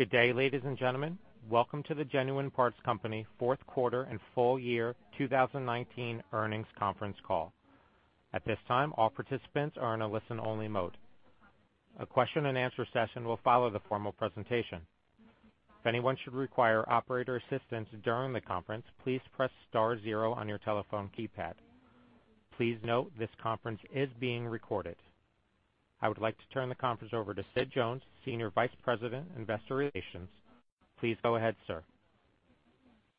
Good day, ladies and gentlemen. Welcome to the Genuine Parts Company fourth quarter and full year 2019 earnings conference call. At this time, all participants are in a listen-only mode. A question and answer session will follow the formal presentation. If anyone should require operator assistance during the conference, please press star zero on your telephone keypad. Please note this conference is being recorded. I would like to turn the conference over to Sid Jones, Senior Vice President, Investor Relations. Please go ahead, sir.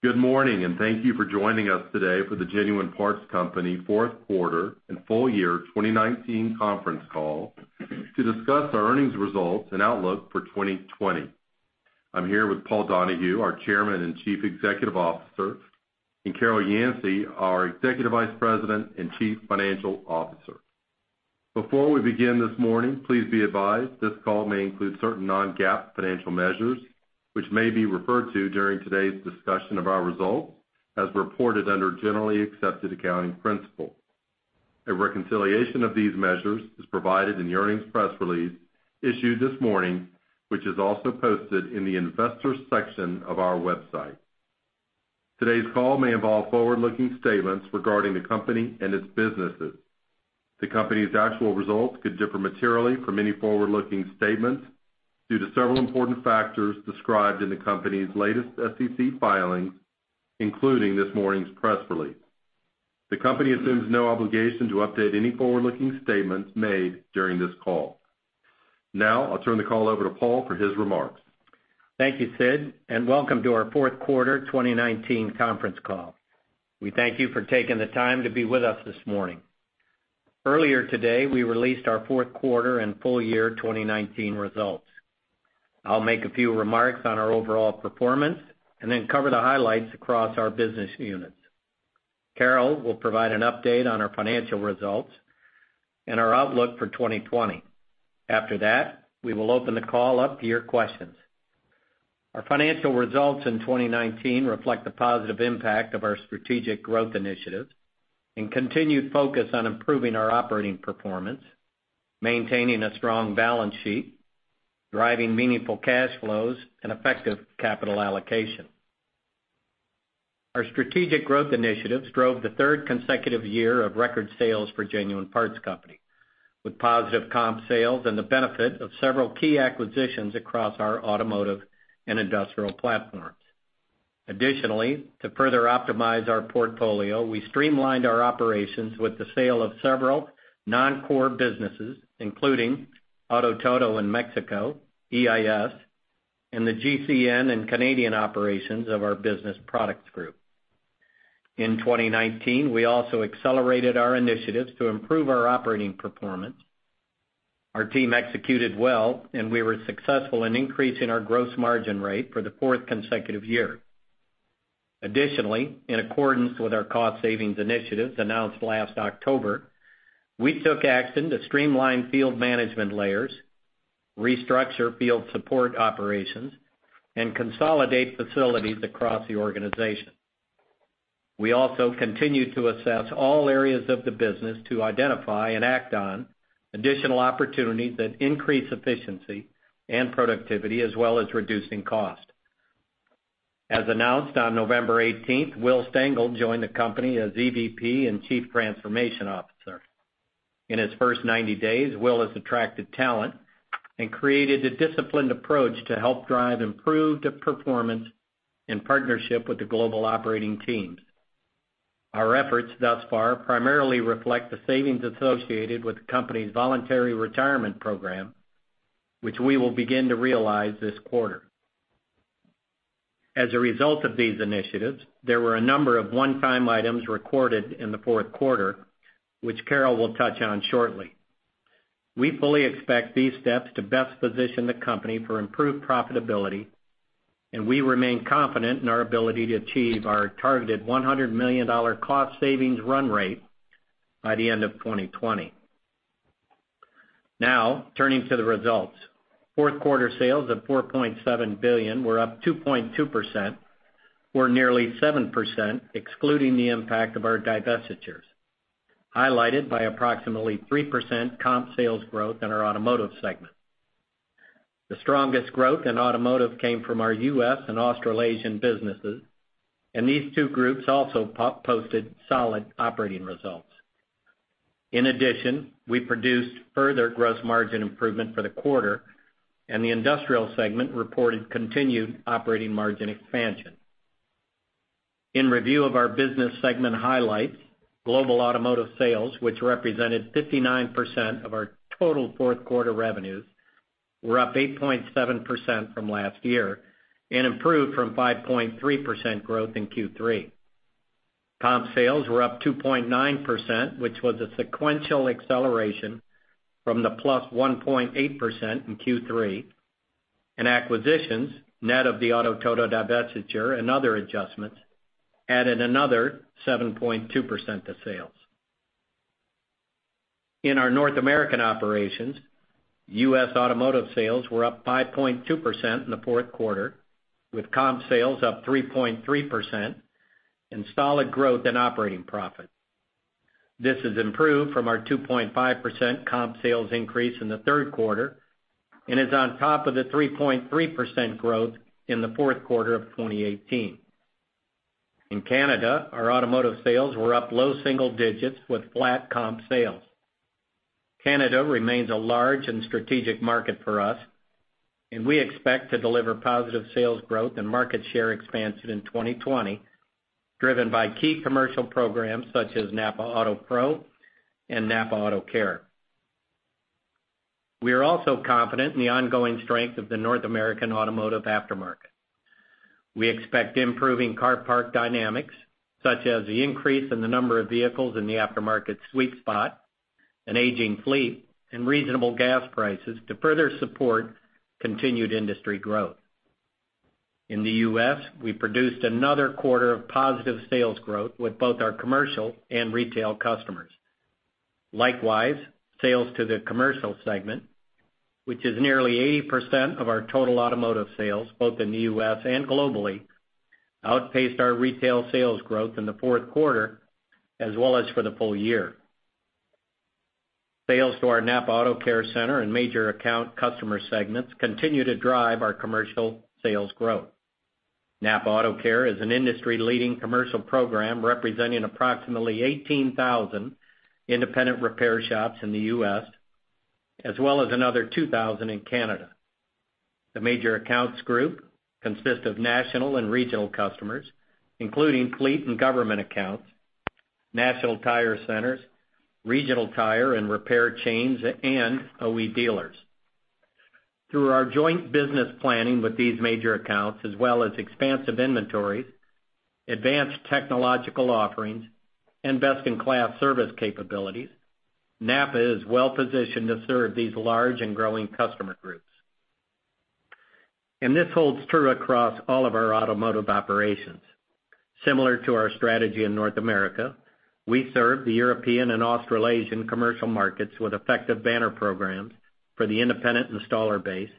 Good morning, and thank you for joining us today for the Genuine Parts Company fourth quarter and full year 2019 conference call to discuss our earnings results and outlook for 2020. I'm here with Paul Donahue, our Chairman and Chief Executive Officer, and Carol Yancey, our Executive Vice President and Chief Financial Officer. Before we begin this morning, please be advised this call may include certain non-GAAP financial measures, which may be referred to during today's discussion of our results as reported under generally accepted accounting principles. A reconciliation of these measures is provided in the earnings press release issued this morning, which is also poste d in the investors section of our website. Today's call may involve forward-looking statements regarding the company and its businesses. The company's actual results could differ materially from any forward-looking statements due to several important factors described in the company's latest SEC filings, including this morning's press release. The company assumes no obligation to update any forward-looking statements made during this call. Now, I'll turn the call over to Paul for his remarks. Thank you, Sid, and welcome to our fourth quarter 2019 conference call. We thank you for taking the time to be with us this morning. Earlier today, we released our fourth quarter and full year 2019 results. I'll make a few remarks on our overall performance and then cover the highlights across our business units. Carol will provide an update on our financial results and our outlook for 2020. After that, we will open the call up to your questions. Our financial results in 2019 reflect the positive impact of our strategic growth initiatives and continued focus on improving our operating performance, maintaining a strong balance sheet, driving meaningful cash flows, and effective capital allocation. Our strategic growth initiatives drove the third consecutive year of record sales for Genuine Parts Company, with positive comp sales and the benefit of several key acquisitions across our automotive and industrial platforms. To further optimize our portfolio, we streamlined our operations with the sale of several non-core businesses, including Auto Todo in Mexico, EIS, and the GCN and Canadian operations of our business products group. In 2019, we also accelerated our initiatives to improve our operating performance. Our team executed well, and we were successful in increasing our gross margin rate for the fourth consecutive year. In accordance with our cost-savings initiatives announced last October, we took action to streamline field management layers, restructure field support operations, and consolidate facilities across the organization. We also continue to assess all areas of the business to identify and act on additional opportunities that increase efficiency and productivity, as well as reducing cost. As announced on November 18th, Will Stengel joined the company as EVP and Chief Transformation Officer. In his first 90 days, Will has attracted talent and created a disciplined approach to help drive improved performance in partnership with the global operating teams. Our efforts thus far primarily reflect the savings associated with the company's voluntary retirement program, which we will begin to realize this quarter. As a result of these initiatives, there were a number of one-time items recorded in the fourth quarter, which Carol will touch on shortly. We fully expect these steps to best position the company for improved profitability, and we remain confident in our ability to achieve our targeted $100 million cost savings run rate by the end of 2020. Now, turning to the results. Fourth quarter sales of $4.7 billion were up 2.2%, or nearly 7% excluding the impact of our divestitures, highlighted by approximately 3% comp sales growth in our automotive segment. The strongest growth in automotive came from our U.S. and Australasian businesses, and these two groups also posted solid operating results. In addition, we produced further gross margin improvement for the quarter, and the industrial segment reported continued operating margin expansion. In review of our business segment highlights, global automotive sales, which represented 59% of our total fourth quarter revenues, were up 8.7% from last year and improved from 5.3% growth in Q3. Comp sales were up 2.9%, which was a sequential acceleration from the +1.8% in Q3, and acquisitions, net of the Auto Todo divestiture and other adjustments, added another 7.2% to sales. In our North American operations, U.S. automotive sales were up 5.2% in the fourth quarter, with comp sales up 3.3%, and solid growth in operating profit. This has improved from our 2.5% comp sales increase in the third quarter, and is on top of the 3.3% growth in the fourth quarter of 2018. In Canada, our automotive sales were up low single digits with flat comp sales. Canada remains a large and strategic market for us, and we expect to deliver positive sales growth and market share expansion in 2020, driven by key commercial programs such as NAPA AUTOPRO and NAPA AutoCare. We are also confident in the ongoing strength of the North American automotive aftermarket. We expect improving car park dynamics, such as the increase in the number of vehicles in the aftermarket sweet spot, an aging fleet, and reasonable gas prices to further support continued industry growth. In the U.S., we produced another quarter of positive sales growth with both our commercial and retail customers. Likewise, sales to the commercial segment, which is nearly 80% of our total automotive sales both in the U.S. and globally, outpaced our retail sales growth in the fourth quarter as well as for the full year. Sales to our NAPA AutoCare Center and major account customer segments continue to drive our commercial sales growth. NAPA AutoCare is an industry-leading commercial program representing approximately 18,000 independent repair shops in the U.S., as well as another 2,000 in Canada. The major accounts group consists of national and regional customers, including fleet and government accounts, national tire centers, regional tire and repair chains, and OE dealers. Through our joint business planning with these major accounts, as well as expansive inventories, advanced technological offerings, and best-in-class service capabilities, NAPA is well-positioned to serve these large and growing customer groups. This holds true across all of our automotive operations. Similar to our strategy in North America, we serve the European and Australasian commercial markets with effective banner programs for the independent installer base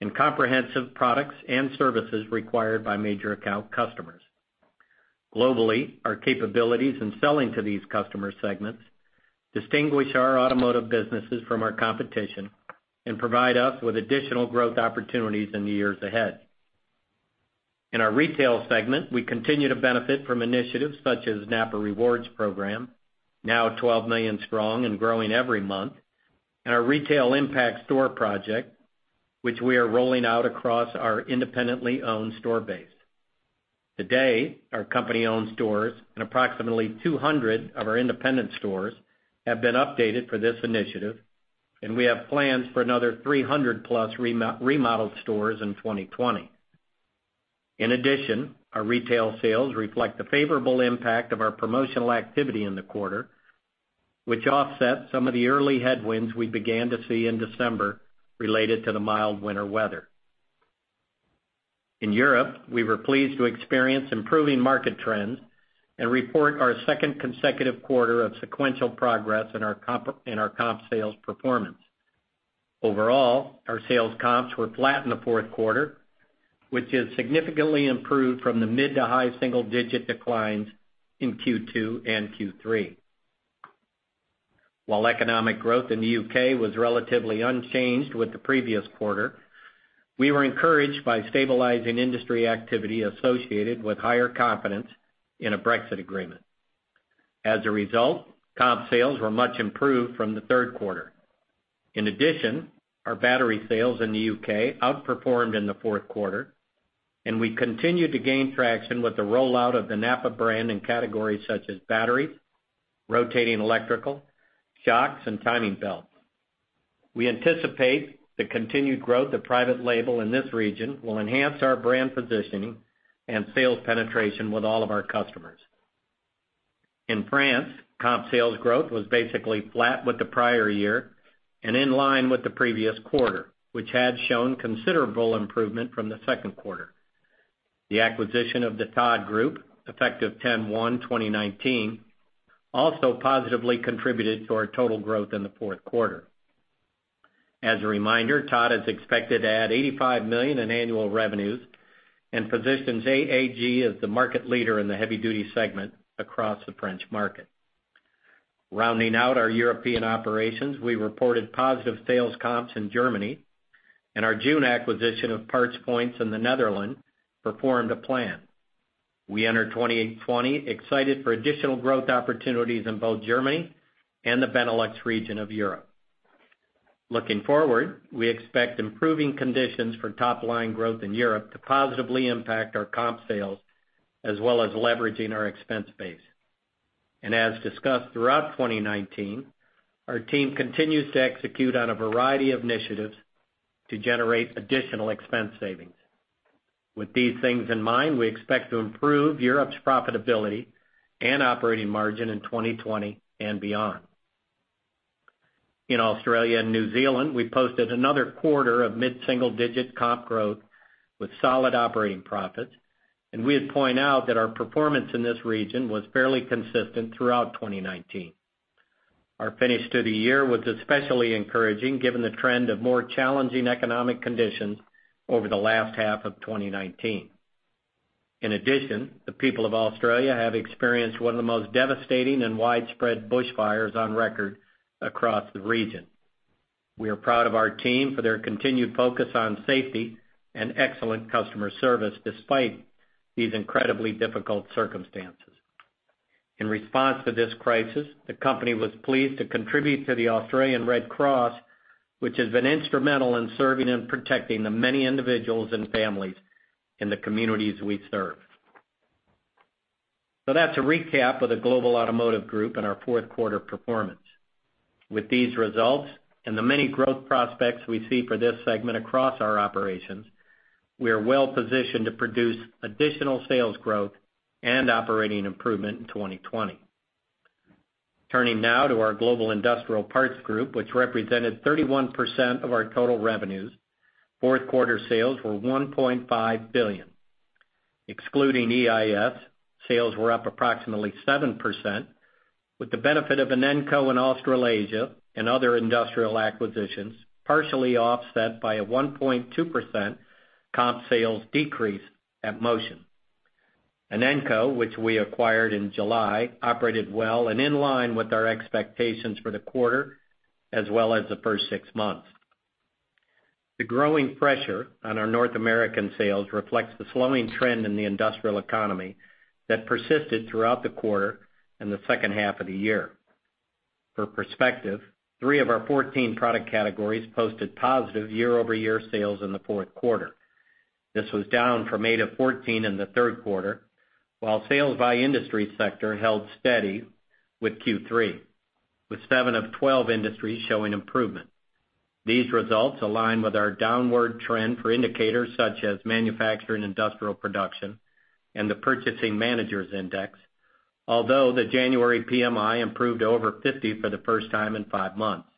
and comprehensive products and services required by major account customers. Globally, our capabilities in selling to these customer segments distinguish our automotive businesses from our competition and provide us with additional growth opportunities in the years ahead. In our retail segment, we continue to benefit from initiatives such as NAPA Rewards program, now 12 million strong and growing every month, and our Retail Impact Store project, which we are rolling out across our independently owned store base. To date, our company-owned stores and approximately 200 of our independent stores have been updated for this initiative, and we have plans for another 300-plus remodeled stores in 2020. In addition, our retail sales reflect the favorable impact of our promotional activity in the quarter, which offset some of the early headwinds we began to see in December related to the mild winter weather. In Europe, we were pleased to experience improving market trends and report our second consecutive quarter of sequential progress in our comp sales performance. Overall, our sales comps were flat in the fourth quarter, which is significantly improved from the mid to high single-digit declines in Q2 and Q3. While economic growth in the U.K. was relatively unchanged with the previous quarter, we were encouraged by stabilizing industry activity associated with higher confidence in a Brexit agreement. As a result, comp sales were much improved from the third quarter. In addition, our battery sales in the U.K. outperformed in the fourth quarter, and we continue to gain traction with the rollout of the NAPA brand in categories such as batteries, rotating electrical, shocks, and timing belts. We anticipate the continued growth of private label in this region will enhance our brand positioning and sales penetration with all of our customers. In France, comp sales growth was basically flat with the prior year and in line with the previous quarter, which had shown considerable improvement from the second quarter. The acquisition of the Todd Group, effective 10/1/2019, also positively contributed to our total growth in the fourth quarter. As a reminder, Todd is expected to add $85 million in annual revenues and positions AAG as the market leader in the heavy-duty segment across the French market. Rounding out our European operations, we reported positive sales comps in Germany, and our June acquisition of PartsPoint in the Netherlands performed to plan. We enter 2020 excited for additional growth opportunities in both Germany and the Benelux region of Europe. Looking forward, we expect improving conditions for top-line growth in Europe to positively impact our comp sales, as well as leveraging our expense base. As discussed throughout 2019, our team continues to execute on a variety of initiatives to generate additional expense savings. With these things in mind, we expect to improve Europe's profitability and operating margin in 2020 and beyond. In Australia and New Zealand, we posted another quarter of mid-single-digit comp growth with solid operating profits, and we'd point out that our performance in this region was fairly consistent throughout 2019. Our finish to the year was especially encouraging given the trend of more challenging economic conditions over the last half of 2019. In addition, the people of Australia have experienced one of the most devastating and widespread bushfires on record across the region. We are proud of our team for their continued focus on safety and excellent customer service, despite these incredibly difficult circumstances. In response to this crisis, the company was pleased to contribute to the Australian Red Cross, which has been instrumental in serving and protecting the many individuals and families in the communities we serve. That's a recap of the Global Automotive Group and our fourth quarter performance. With these results and the many growth prospects we see for this segment across our operations, we are well-positioned to produce additional sales growth and operating improvement in 2020. Turning now to our Global Industrial Parts Group, which represented 31% of our total revenues, fourth quarter sales were $1.5 billion. Excluding EIS, sales were up approximately 7%, with the benefit of Inenco in Australasia and other industrial acquisitions, partially offset by a 1.2% comp sales decrease at Motion. Inenco, which we acquired in July, operated well and in line with our expectations for the quarter as well as the first six months. The growing pressure on our North American sales reflects the slowing trend in the industrial economy that persisted throughout the quarter and the second half of the year. For perspective, three of our 14 product categories posted positive year-over-year sales in the fourth quarter. This was down from eight of 14 in the third quarter, while sales by industry sector held steady with Q3, with seven of 12 industries showing improvement. These results align with our downward trend for indicators such as manufacturing industrial production and the Purchasing Managers Index. Although the January PMI improved over 50 for the first time in five months.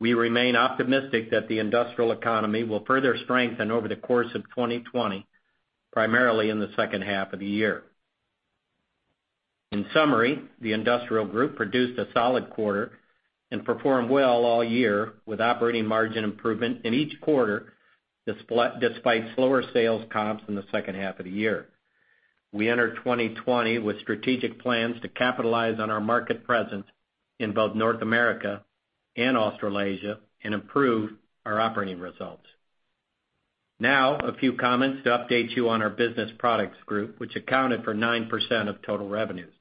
We remain optimistic that the industrial economy will further strengthen over the course of 2020, primarily in the second half of the year. In summary, the Industrial Group produced a solid quarter and performed well all year, with operating margin improvement in each quarter, despite slower sales comps in the second half of the year. We enter 2020 with strategic plans to capitalize on our market presence in both North America and Australasia and improve our operating results. A few comments to update you on our Business Products Group, which accounted for 9% of total revenues.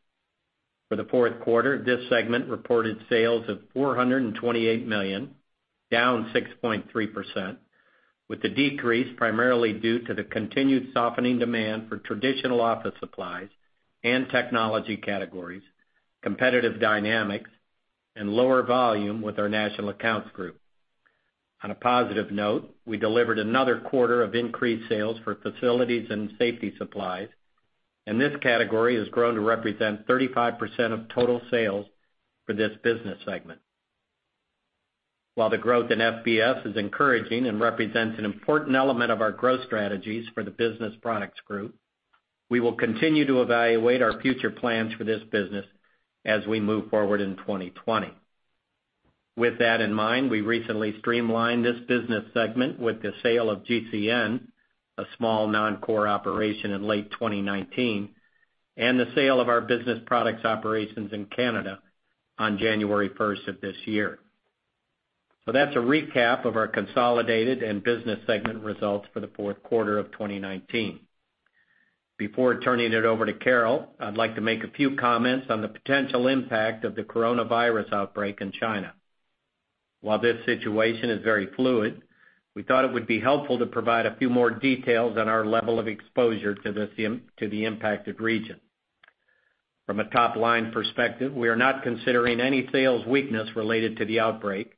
For the fourth quarter, this segment reported sales of $428 million, down 6.3%, with the decrease primarily due to the continued softening demand for traditional office supplies and technology categories, competitive dynamics, and lower volume with our National Accounts Group. On a positive note, we delivered another quarter of increased sales for facilities and safety supplies, and this category has grown to represent 35% of total sales for this business segment. While the growth in FSS is encouraging and represents an important element of our growth strategies for the Business Products Group, we will continue to evaluate our future plans for this business as we move forward in 2020. With that in mind, we recently streamlined this business segment with the sale of GCN, a small non-core operation in late 2019, and the sale of our business products operations in Canada on January 1st of this year. That's a recap of our consolidated and business segment results for the fourth quarter of 2019. Before turning it over to Carol, I'd like to make a few comments on the potential impact of the coronavirus outbreak in China. While this situation is very fluid, we thought it would be helpful to provide a few more details on our level of exposure to the impacted region. From a top-line perspective, we are not considering any sales weakness related to the outbreak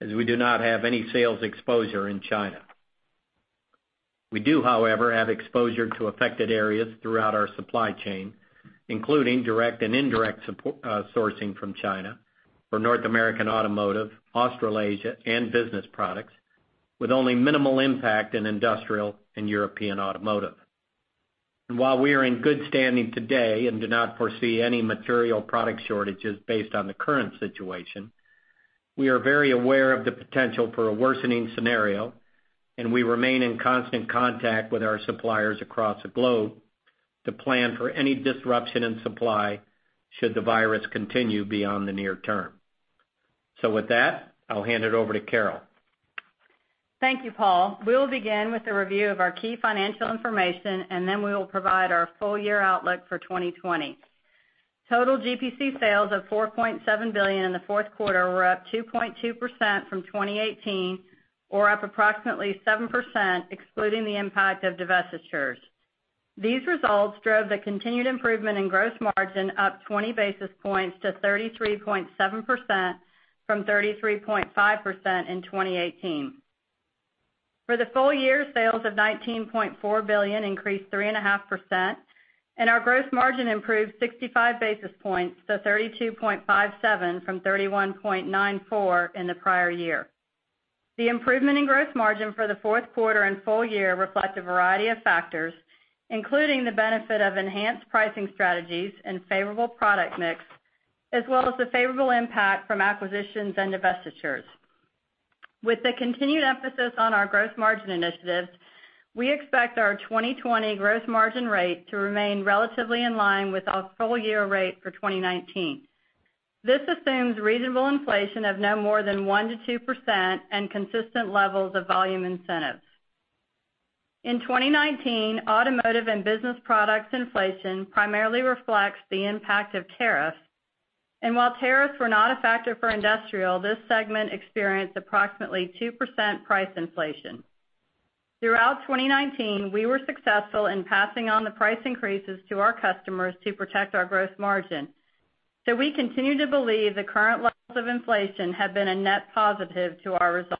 as we do not have any sales exposure in China. We do, however, have exposure to affected areas throughout our supply chain, including direct and indirect sourcing from China for North American Automotive, Australasia, and Business Products, with only minimal impact in Industrial and European Automotive. While we are in good standing today and do not foresee any material product shortages based on the current situation, we are very aware of the potential for a worsening scenario, and we remain in constant contact with our suppliers across the globe to plan for any disruption in supply should the virus continue beyond the near term. With that, I'll hand it over to Carol. Thank you, Paul. We'll begin with a review of our key financial information, and then we will provide our full year outlook for 2020. Total GPC sales of $4.7 billion in the fourth quarter were up 2.2% from 2018 or up approximately 7%, excluding the impact of divestitures. These results drove the continued improvement in gross margin up 20 basis points to 33.7% from 33.5% in 2018. For the full year, sales of $19.4 billion increased 3.5%, and our gross margin improved 65 basis points to 32.57 from 31.94 in the prior year. The improvement in gross margin for the fourth quarter and full year reflect a variety of factors, including the benefit of enhanced pricing strategies and favorable product mix, as well as the favorable impact from acquisitions and divestitures. With the continued emphasis on our gross margin initiatives, we expect our 2020 gross margin rate to remain relatively in line with our full year rate for 2019. This assumes reasonable inflation of no more than 1%-2% and consistent levels of volume incentives. While tariffs were not a factor for industrial, this segment experienced approximately 2% price inflation. Throughout 2019, we were successful in passing on the price increases to our customers to protect our gross margin. We continue to believe the current levels of inflation have been a net positive to our results.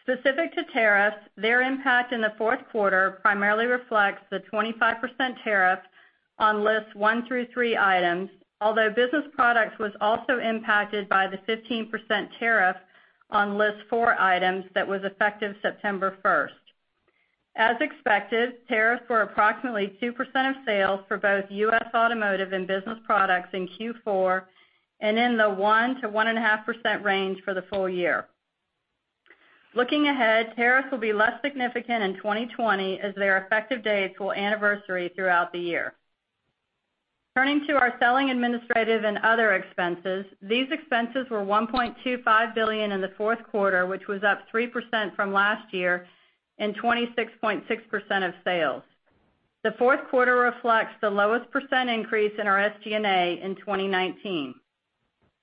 Specific to tariffs, their impact in the fourth quarter primarily reflects the 25% tariff on lists one through three items, although Business Products was also impacted by the 15% tariff on list four items that was effective September 1st. As expected, tariffs were approximately 2% of sales for both U.S. Automotive and Business Products in Q4, and in the 1%-1.5% range for the full year. Looking ahead, tariffs will be less significant in 2020 as their effective dates will anniversary throughout the year. Turning to our selling administrative and other expenses. These expenses were $1.25 billion in the fourth quarter, which was up 3% from last year and 26.6% of sales. The fourth quarter reflects the lowest percent increase in our SG&A in 2019.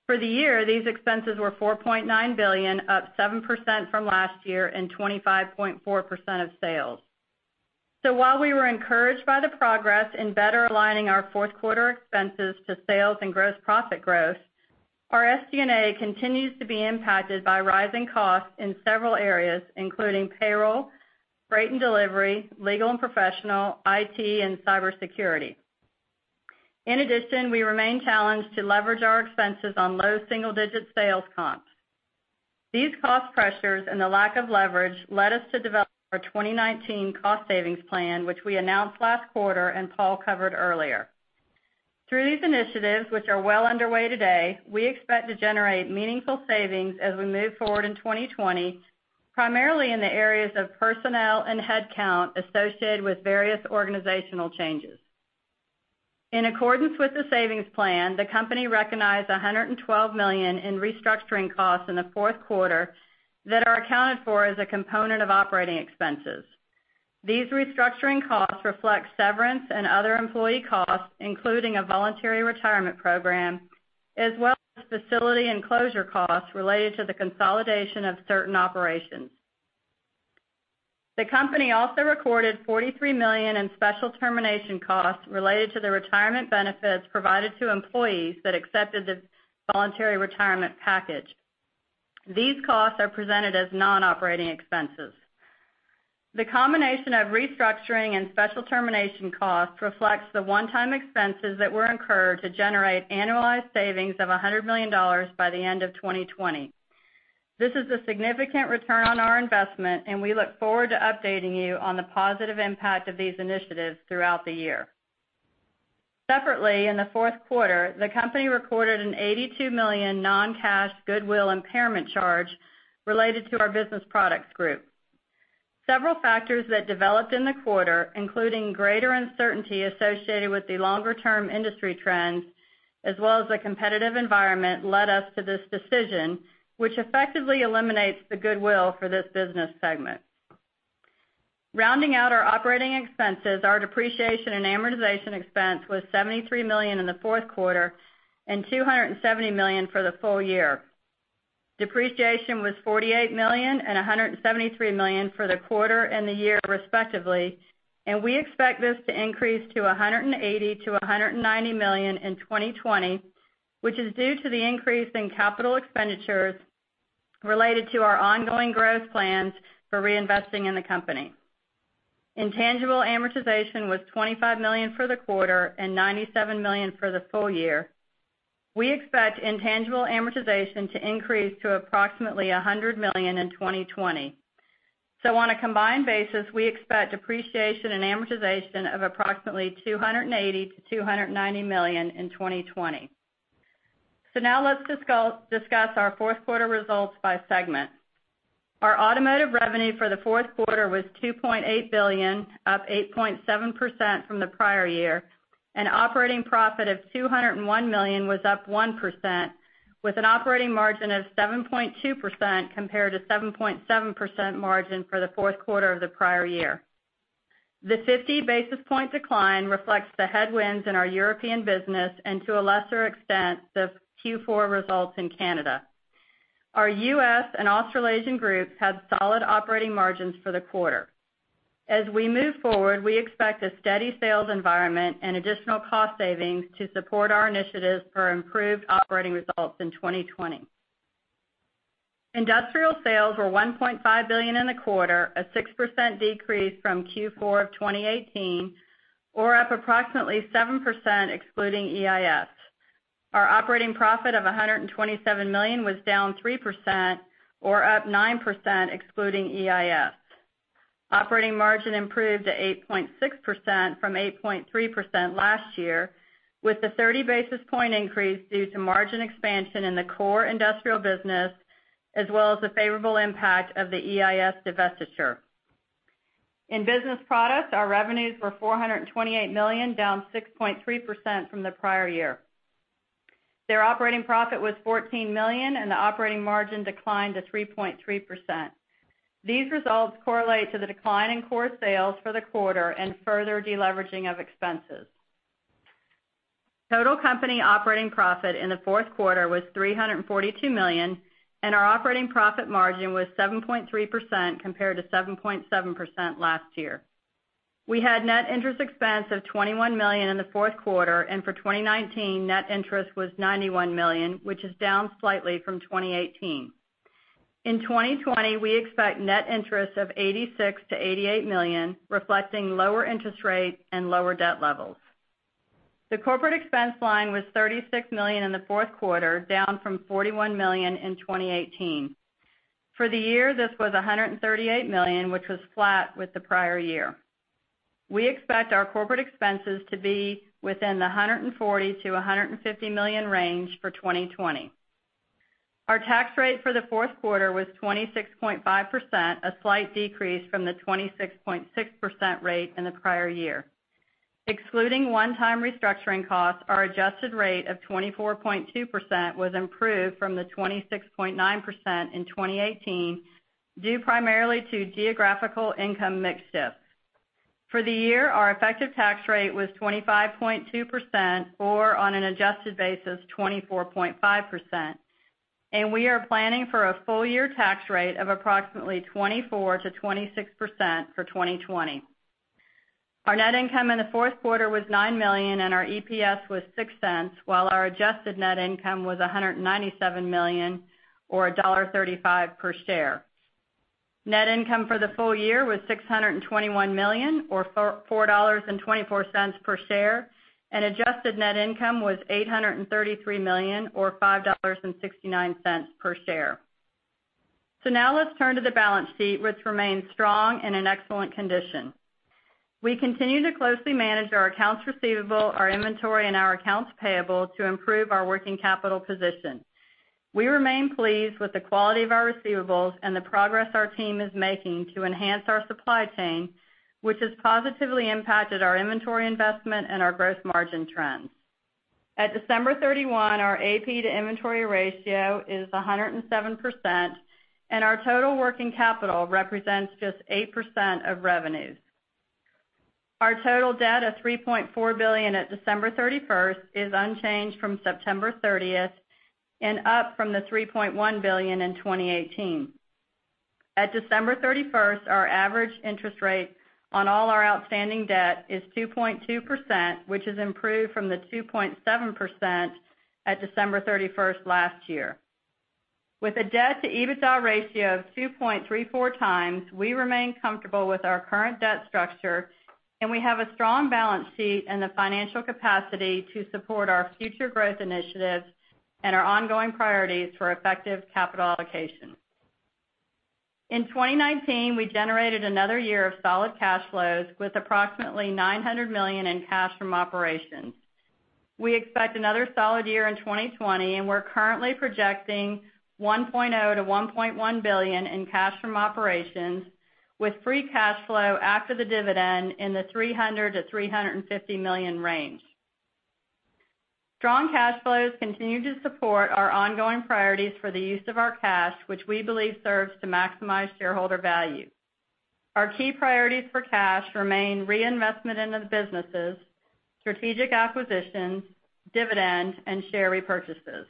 For the year, these expenses were $4.9 billion, up 7% from last year and 25.4% of sales. While we were encouraged by the progress in better aligning our fourth quarter expenses to sales and gross profit growth, our SG&A continues to be impacted by rising costs in several areas, including payroll, freight and delivery, legal and professional, IT, and cybersecurity. In addition, we remain challenged to leverage our expenses on low single-digit sales comps. These cost pressures and the lack of leverage led us to develop our 2019 Cost Savings Plan, which we announced last quarter and Paul covered earlier. Through these initiatives, which are well underway today, we expect to generate meaningful savings as we move forward in 2020, primarily in the areas of personnel and headcount associated with various organizational changes. In accordance with the Savings Plan, the company recognized $112 million in restructuring costs in the Fourth Quarter that are accounted for as a component of operating expenses. These restructuring costs reflect severance and other employee costs, including a voluntary retirement program, as well as facility and closure costs related to the consolidation of certain operations. The company also recorded $43 million in special termination costs related to the retirement benefits provided to employees that accepted the voluntary retirement package. These costs are presented as non-operating expenses. The combination of restructuring and special termination costs reflects the one-time expenses that were incurred to generate annualized savings of $100 million by the end of 2020. This is a significant return on our investment, and we look forward to updating you on the positive impact of these initiatives throughout the year. Separately, in the fourth quarter, the company recorded an $82 million non-cash goodwill impairment charge related to our Business Products Group. Several factors that developed in the quarter, including greater uncertainty associated with the longer-term industry trends, as well as the competitive environment, led us to this decision, which effectively eliminates the goodwill for this business segment. Rounding out our operating expenses, our depreciation and amortization expense was $73 million in the fourth quarter and $270 million for the full year. Depreciation was $48 million and $173 million for the quarter and the year respectively, and we expect this to increase to $180 million-$190 million in 2020, which is due to the increase in capital expenditures related to our ongoing growth plans for reinvesting in the company. Intangible amortization was $25 million for the quarter and $97 million for the full year. We expect intangible amortization to increase to approximately $100 million in 2020. On a combined basis, we expect depreciation and amortization of approximately $280 million-$290 million in 2020. Now let's discuss our fourth quarter results by segment. Our Automotive revenue for the fourth quarter was $2.8 billion, up 8.7% from the prior year, and operating profit of $201 million was up 1%, with an operating margin of 7.2% compared to 7.7% margin for the fourth quarter of the prior year. The 50 basis points decline reflects the headwinds in our European business and, to a lesser extent, the Q4 results in Canada. Our U.S. and Australasian groups had solid operating margins for the quarter. As we move forward, we expect a steady sales environment and additional cost savings to support our initiatives for improved operating results in 2020. Industrial sales were $1.5 billion in the quarter, a 6% decrease from Q4 of 2018 or up approximately 7%, excluding EIS. Our operating profit of $127 million was down 3%, or up 9%, excluding EIS. Operating margin improved to 8.6% from 8.3% last year, with the 30 basis point increase due to margin expansion in the core industrial business, as well as the favorable impact of the EIS divestiture. In business products, our revenues were $428 million, down 6.3% from the prior year. Their operating profit was $14 million, and the operating margin declined to 3.3%. These results correlate to the decline in core sales for the quarter and further de-leveraging of expenses. Total company operating profit in the fourth quarter was $342 million, and our operating profit margin was 7.3% compared to 7.7% last year. We had net interest expense of $21 million in the fourth quarter, and for 2019, net interest was $91 million, which is down slightly from 2018. In 2020, we expect net interest of $86 million-$88 million, reflecting lower interest rates and lower debt levels. The corporate expense line was $36 million in the fourth quarter, down from $41 million in 2018. For the year, this was $138 million, which was flat with the prior year. We expect our corporate expenses to be within the $140 million-$150 million range for 2020. Our tax rate for the fourth quarter was 26.5%, a slight decrease from the 26.6% rate in the prior year. Excluding one-time restructuring costs, our adjusted rate of 24.2% was improved from the 26.9% in 2018, due primarily to geographical income mix shift. For the year, our effective tax rate was 25.2%, or on an adjusted basis, 24.5%, and we are planning for a full year tax rate of approximately 24%-26% for 2020. Our net income in the fourth quarter was $9 million and our EPS was $0.06, while our adjusted net income was $197 million or $1.35 per share. Net income for the full year was $621 million or $4.24 per share. Adjusted net income was $833 million or $5.69 per share. Now let's turn to the balance sheet, which remains strong and in excellent condition. We continue to closely manage our accounts receivable, our inventory, and our accounts payable to improve our working capital position. We remain pleased with the quality of our receivables and the progress our team is making to enhance our supply chain, which has positively impacted our inventory investment and our gross margin trends. At December 31, our AP to inventory ratio is 107%, and our total working capital represents just 8% of revenues. Our total debt of $3.4 billion at December 31st is unchanged from September 30th and up from the $3.1 billion in 2018. At December 31st, our average interest rate on all our outstanding debt is 2.2%, which has improved from the 2.7% at December 31st last year. With a debt-to-EBITDA ratio of 2.34x, we remain comfortable with our current debt structure, and we have a strong balance sheet and the financial capacity to support our future growth initiatives and our ongoing priorities for effective capital allocation. In 2019, we generated another year of solid cash flows with approximately $900 million in cash from operations. We expect another solid year in 2020, and we're currently projecting $1.0 billion-$1.1 billion in cash from operations, with free cash flow after the dividend in the $300 million-$350 million range. Strong cash flows continue to support our ongoing priorities for the use of our cash, which we believe serves to maximize shareholder value. Our key priorities for cash remain reinvestment into the businesses, strategic acquisitions, dividends, and share repurchases.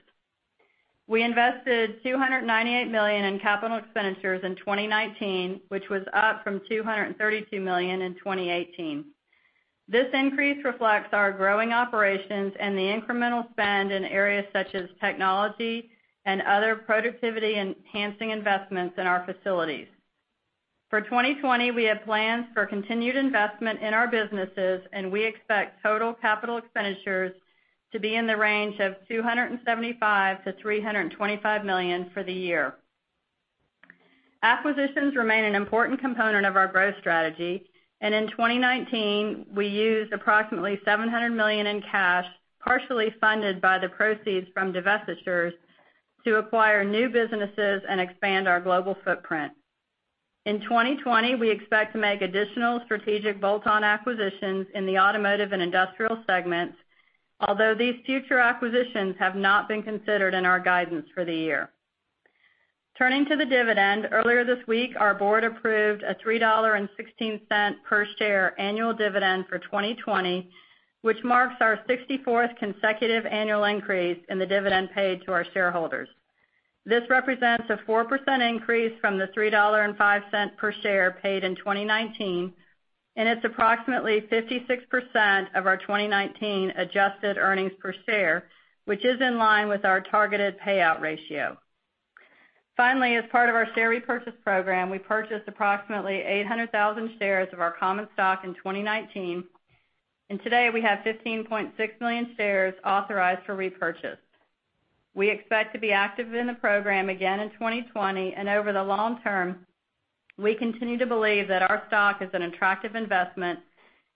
We invested $298 million in capital expenditures in 2019, which was up from $232 million in 2018. This increase reflects our growing operations and the incremental spend in areas such as technology and other productivity-enhancing investments in our facilities. For 2020, we have plans for continued investment in our businesses, and we expect total capital expenditures to be in the range of $275 million-$325 million for the year. Acquisitions remain an important component of our growth strategy, and in 2019, we used approximately $700 million in cash, partially funded by the proceeds from divestitures, to acquire new businesses and expand our global footprint. In 2020, we expect to make additional strategic bolt-on acquisitions in the automotive and industrial segments, although these future acquisitions have not been considered in our guidance for the year. Turning to the dividend, earlier this week, our board approved a $3.16 per share annual dividend for 2020, which marks our 64th consecutive annual increase in the dividend paid to our shareholders. This represents a 4% increase from the $3.05 per share paid in 2019, and it's approximately 56% of our 2019 adjusted earnings per share, which is in line with our targeted payout ratio. Finally, as part of our share repurchase program, we purchased approximately 800,000 shares of our common stock in 2019, and today we have 15.6 million shares authorized for repurchase. We expect to be active in the program again in 2020 and over the long term, we continue to believe that our stock is an attractive investment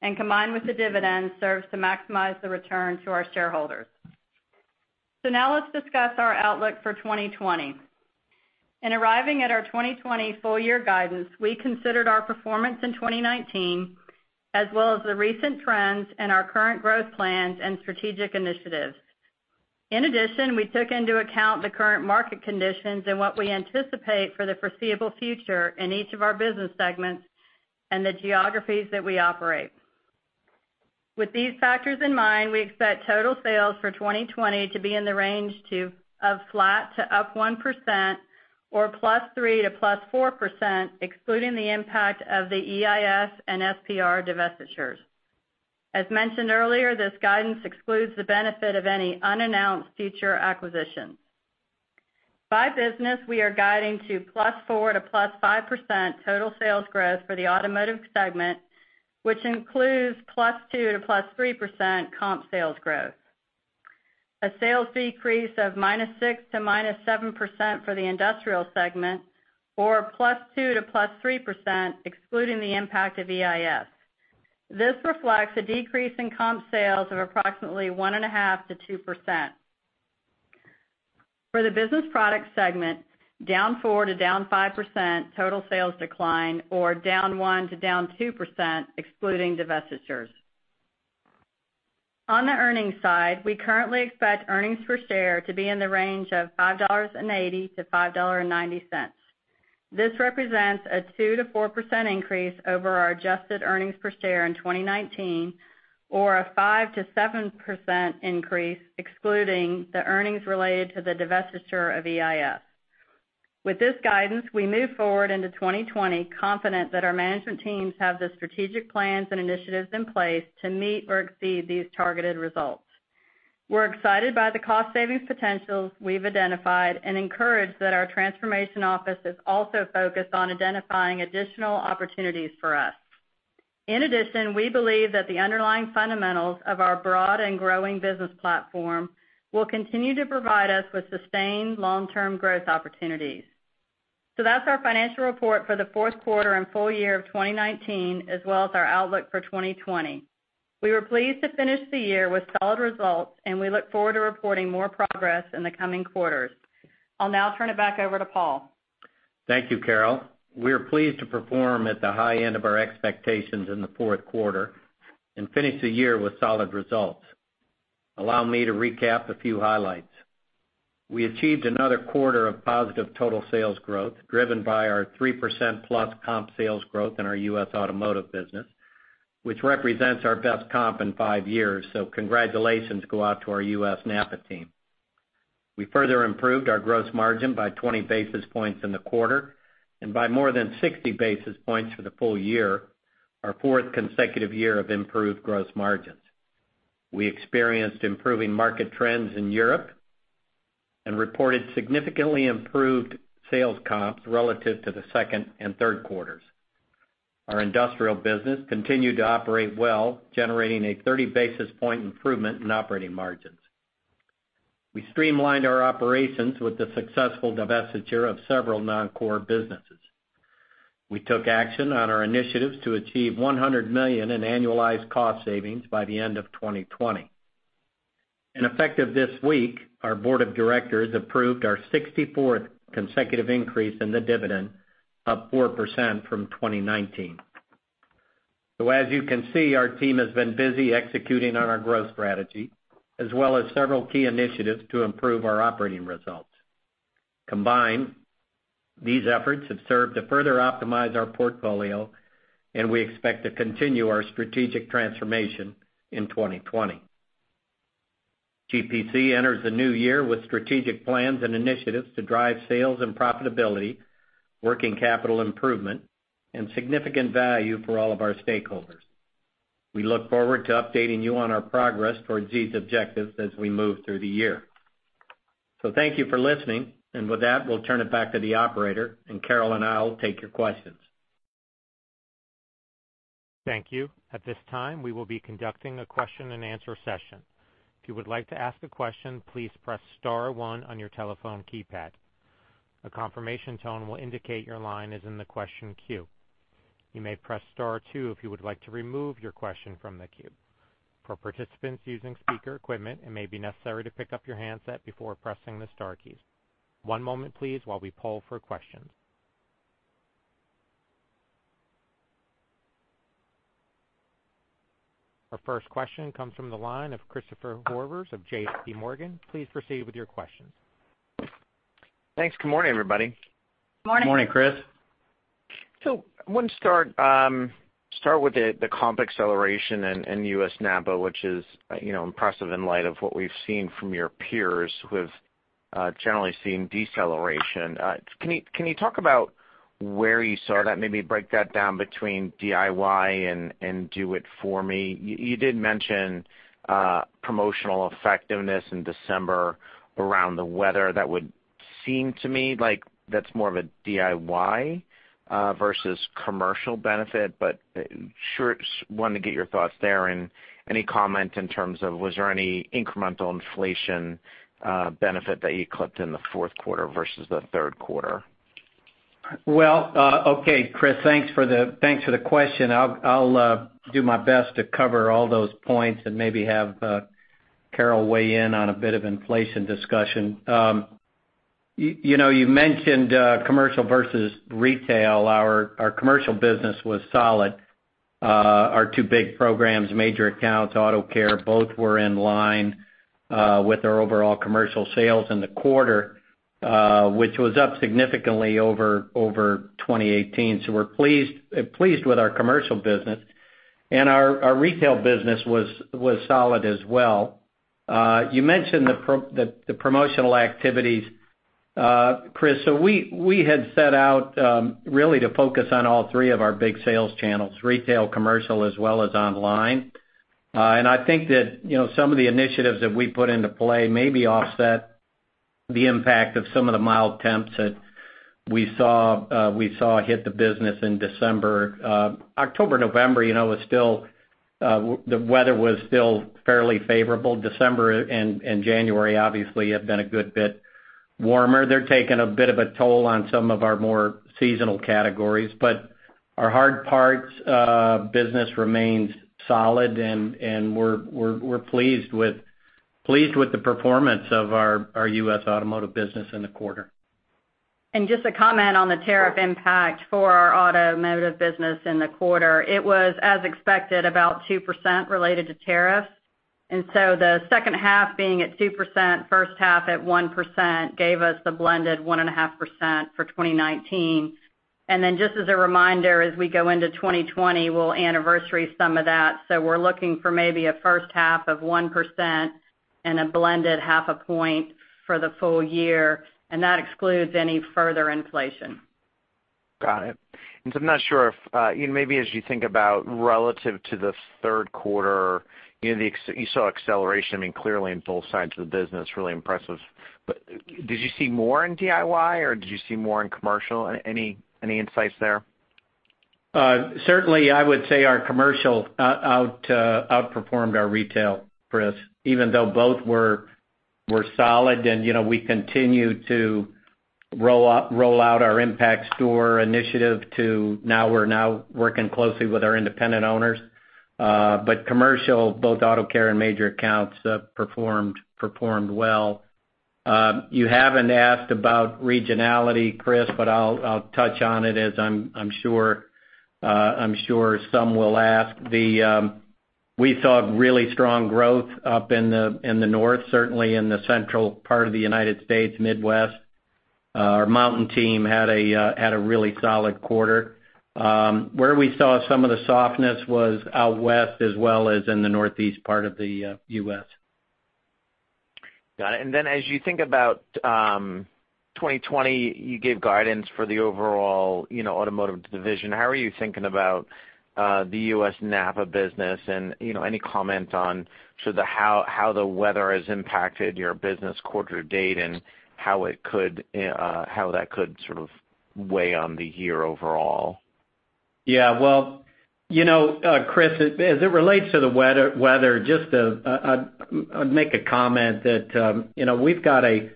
and combined with the dividend, serves to maximize the return to our shareholders. Now let's discuss our outlook for 2020. In arriving at our 2020 full year guidance, we considered our performance in 2019, as well as the recent trends in our current growth plans and strategic initiatives. In addition, we took into account the current market conditions and what we anticipate for the foreseeable future in each of our business segments and the geographies that we operate. With these factors in mind, we expect total sales for 2020 to be in the range of flat to up 1% or +3% to +4%, excluding the impact of the EIS and SPR divestitures. As mentioned earlier, this guidance excludes the benefit of any unannounced future acquisitions. By business, we are guiding to +4% to +5% total sales growth for the automotive segment, which includes +2% to +3% comp sales growth. A sales decrease of -6% to -7% for the Industrial segment, or +2% to +3%, excluding the impact of EIS. This reflects a decrease in comp sales of approximately 1.5%-2%. For the Business Products segment, down 4% to down 5% total sales decline or down 1% to down 2%, excluding divestitures. On the earnings side, we currently expect earnings per share to be in the range of $5.80-$5.90. This represents a 2%-4% increase over our adjusted earnings per share in 2019 or a 5%-7% increase excluding the earnings related to the divestiture of EIS. With this guidance, we move forward into 2020 confident that our management teams have the strategic plans and initiatives in place to meet or exceed these targeted results. We're excited by the cost savings potentials we've identified and encouraged that our transformation office is also focused on identifying additional opportunities for us. In addition, we believe that the underlying fundamentals of our broad and growing business platform will continue to provide us with sustained long-term growth opportunities. That's our financial report for the fourth quarter and full year of 2019, as well as our outlook for 2020. We were pleased to finish the year with solid results and we look forward to reporting more progress in the coming quarters. I'll now turn it back over to Paul. Thank you, Carol. We are pleased to perform at the high end of our expectations in the fourth quarter and finish the year with solid results. Allow me to recap a few highlights. We achieved another quarter of positive total sales growth, driven by our 3%+ comp sales growth in our U.S. automotive business, which represents our best comp in five years. Congratulations go out to our U.S. NAPA team. We further improved our gross margin by 20 basis points in the quarter and by more than 60 basis points for the full year, our fourth consecutive year of improved gross margins. We experienced improving market trends in Europe and reported significantly improved sales comps relative to the second and third quarters. Motion continued to operate well, generating a 30 basis point improvement in operating margins. We streamlined our operations with the successful divestiture of several non-core businesses. We took action on our initiatives to achieve $100 million in annualized cost savings by the end of 2020. Effective this week, our board of directors approved our 64th consecutive increase in the dividend of 4% from 2019. As you can see, our team has been busy executing on our growth strategy, as well as several key initiatives to improve our operating results. Combined, these efforts have served to further optimize our portfolio and we expect to continue our strategic transformation in 2020. GPC enters the new year with strategic plans and initiatives to drive sales and profitability, working capital improvement, and significant value for all of our stakeholders. We look forward to updating you on our progress towards these objectives as we move through the year. Thank you for listening, and with that, we'll turn it back to the operator and Carol and I will take your questions. Thank you. At this time, we will be conducting a question and answer session. If you would like to ask a question, please press star one on your telephone keypad. A confirmation tone will indicate your line is in the question queue. You may press star two if you would like to remove your question from the queue. For participants using speaker equipment, it may be necessary to pick up your handset before pressing the star keys. One moment please while we poll for questions. Our first question comes from the line of Christopher Horvers of JPMorgan. Please proceed with your questions. Thanks. Good morning, everybody. Good morning. Morning, Chris. I want to start with the comp acceleration in U.S. NAPA, which is impressive in light of what we've seen from your peers who have generally seen deceleration. Can you talk about where you saw that? Maybe break that down between DIY and do it for me. You did mention promotional effectiveness in December around the weather that would seemed to me like that's more of a DIY versus commercial benefit, but wanted to get your thoughts there and any comment in terms of was there any incremental inflation benefit that you clipped in the fourth quarter versus the third quarter? Well, okay, Chris. Thanks for the question. I'll do my best to cover all those points and maybe have Carol weigh in on a bit of inflation discussion. You mentioned commercial versus retail. Our commercial business was solid. Our two big programs, Major Accounts, AutoCare, both were in line with our overall commercial sales in the quarter, which was up significantly over 2018. We're pleased with our commercial business. Our retail business was solid as well. You mentioned the promotional activities, Chris. We had set out really to focus on all three of our big sales channels, retail, commercial, as well as online. I think that some of the initiatives that we put into play maybe offset the impact of some of the mild temps that we saw hit the business in December. October, November, the weather was still fairly favorable. December and January obviously have been a good bit warmer. They're taking a bit of a toll on some of our more seasonal categories. Our hard parts business remains solid, and we're pleased with the performance of our U.S. automotive business in the quarter. Just to comment on the tariff impact for our automotive business in the quarter, it was, as expected, about 2% related to tariffs. The second half being at 2%, first half at 1%, gave us the blended 1.5% for 2019. Just as a reminder, as we go into 2020, we'll anniversary some of that. We're looking for maybe a first half of 1% and a blended half a point for the full year, and that excludes any further inflation. Got it. I'm not sure if, maybe as you think about relative to the third quarter, you saw acceleration, clearly in both sides of the business, really impressive. Did you see more in DIY, or did you see more in commercial? Any insights there? Certainly, I would say our commercial outperformed our retail, Chris, even though both were solid and we continue to roll out our Retail Impact Store initiative to now working closely with our independent owners. Commercial, both NAPA AutoCare and Major Accounts, performed well. You haven't asked about regionality, Chris, but I'll touch on it as I'm sure some will ask. We saw really strong growth up in the north, certainly in the central part of the U.S., Midwest. Our mountain team had a really solid quarter. Where we saw some of the softness was Out West as well as in the Northeast part of the U.S. Got it. As you think about 2020, you gave guidance for the overall automotive division. How are you thinking about the U.S. NAPA business and any comment on how the weather has impacted your business quarter to date and how that could sort of weigh on the year overall? Well, Chris, as it relates to the weather, just I'd make a comment that we've got a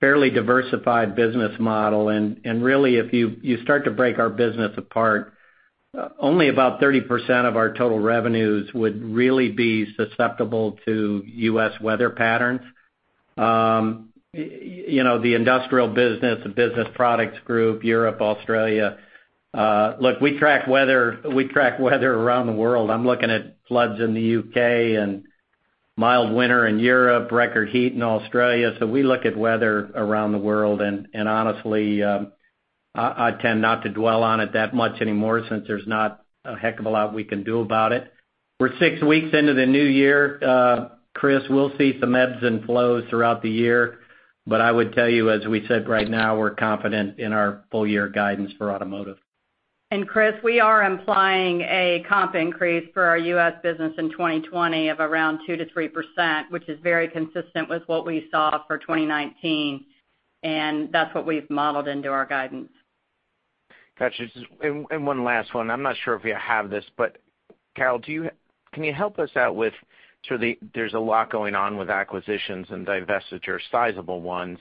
fairly diversified business model. Really, if you start to break our business apart, only about 30% of our total revenues would really be susceptible to U.S. weather patterns. The industrial business, the business products group, Europe, Australia. Look, we track weather around the world. I'm looking at floods in the U.K. and mild winter in Europe, record heat in Australia. We look at weather around the world. Honestly, I tend not to dwell on it that much anymore since there's not a heck of a lot we can do about it. We're six weeks into the new year, Chris. We'll see some ebbs and flows throughout the year. I would tell you, as we said, right now, we're confident in our full year guidance for automotive. Chris, we are implying a comp increase for our U.S. business in 2020 of around 2%-3%, which is very consistent with what we saw for 2019, and that's what we've modeled into our guidance. Got you. One last one. I'm not sure if you have this, but Carol, can you help us out with, there's a lot going on with acquisitions and divestiture, sizable ones.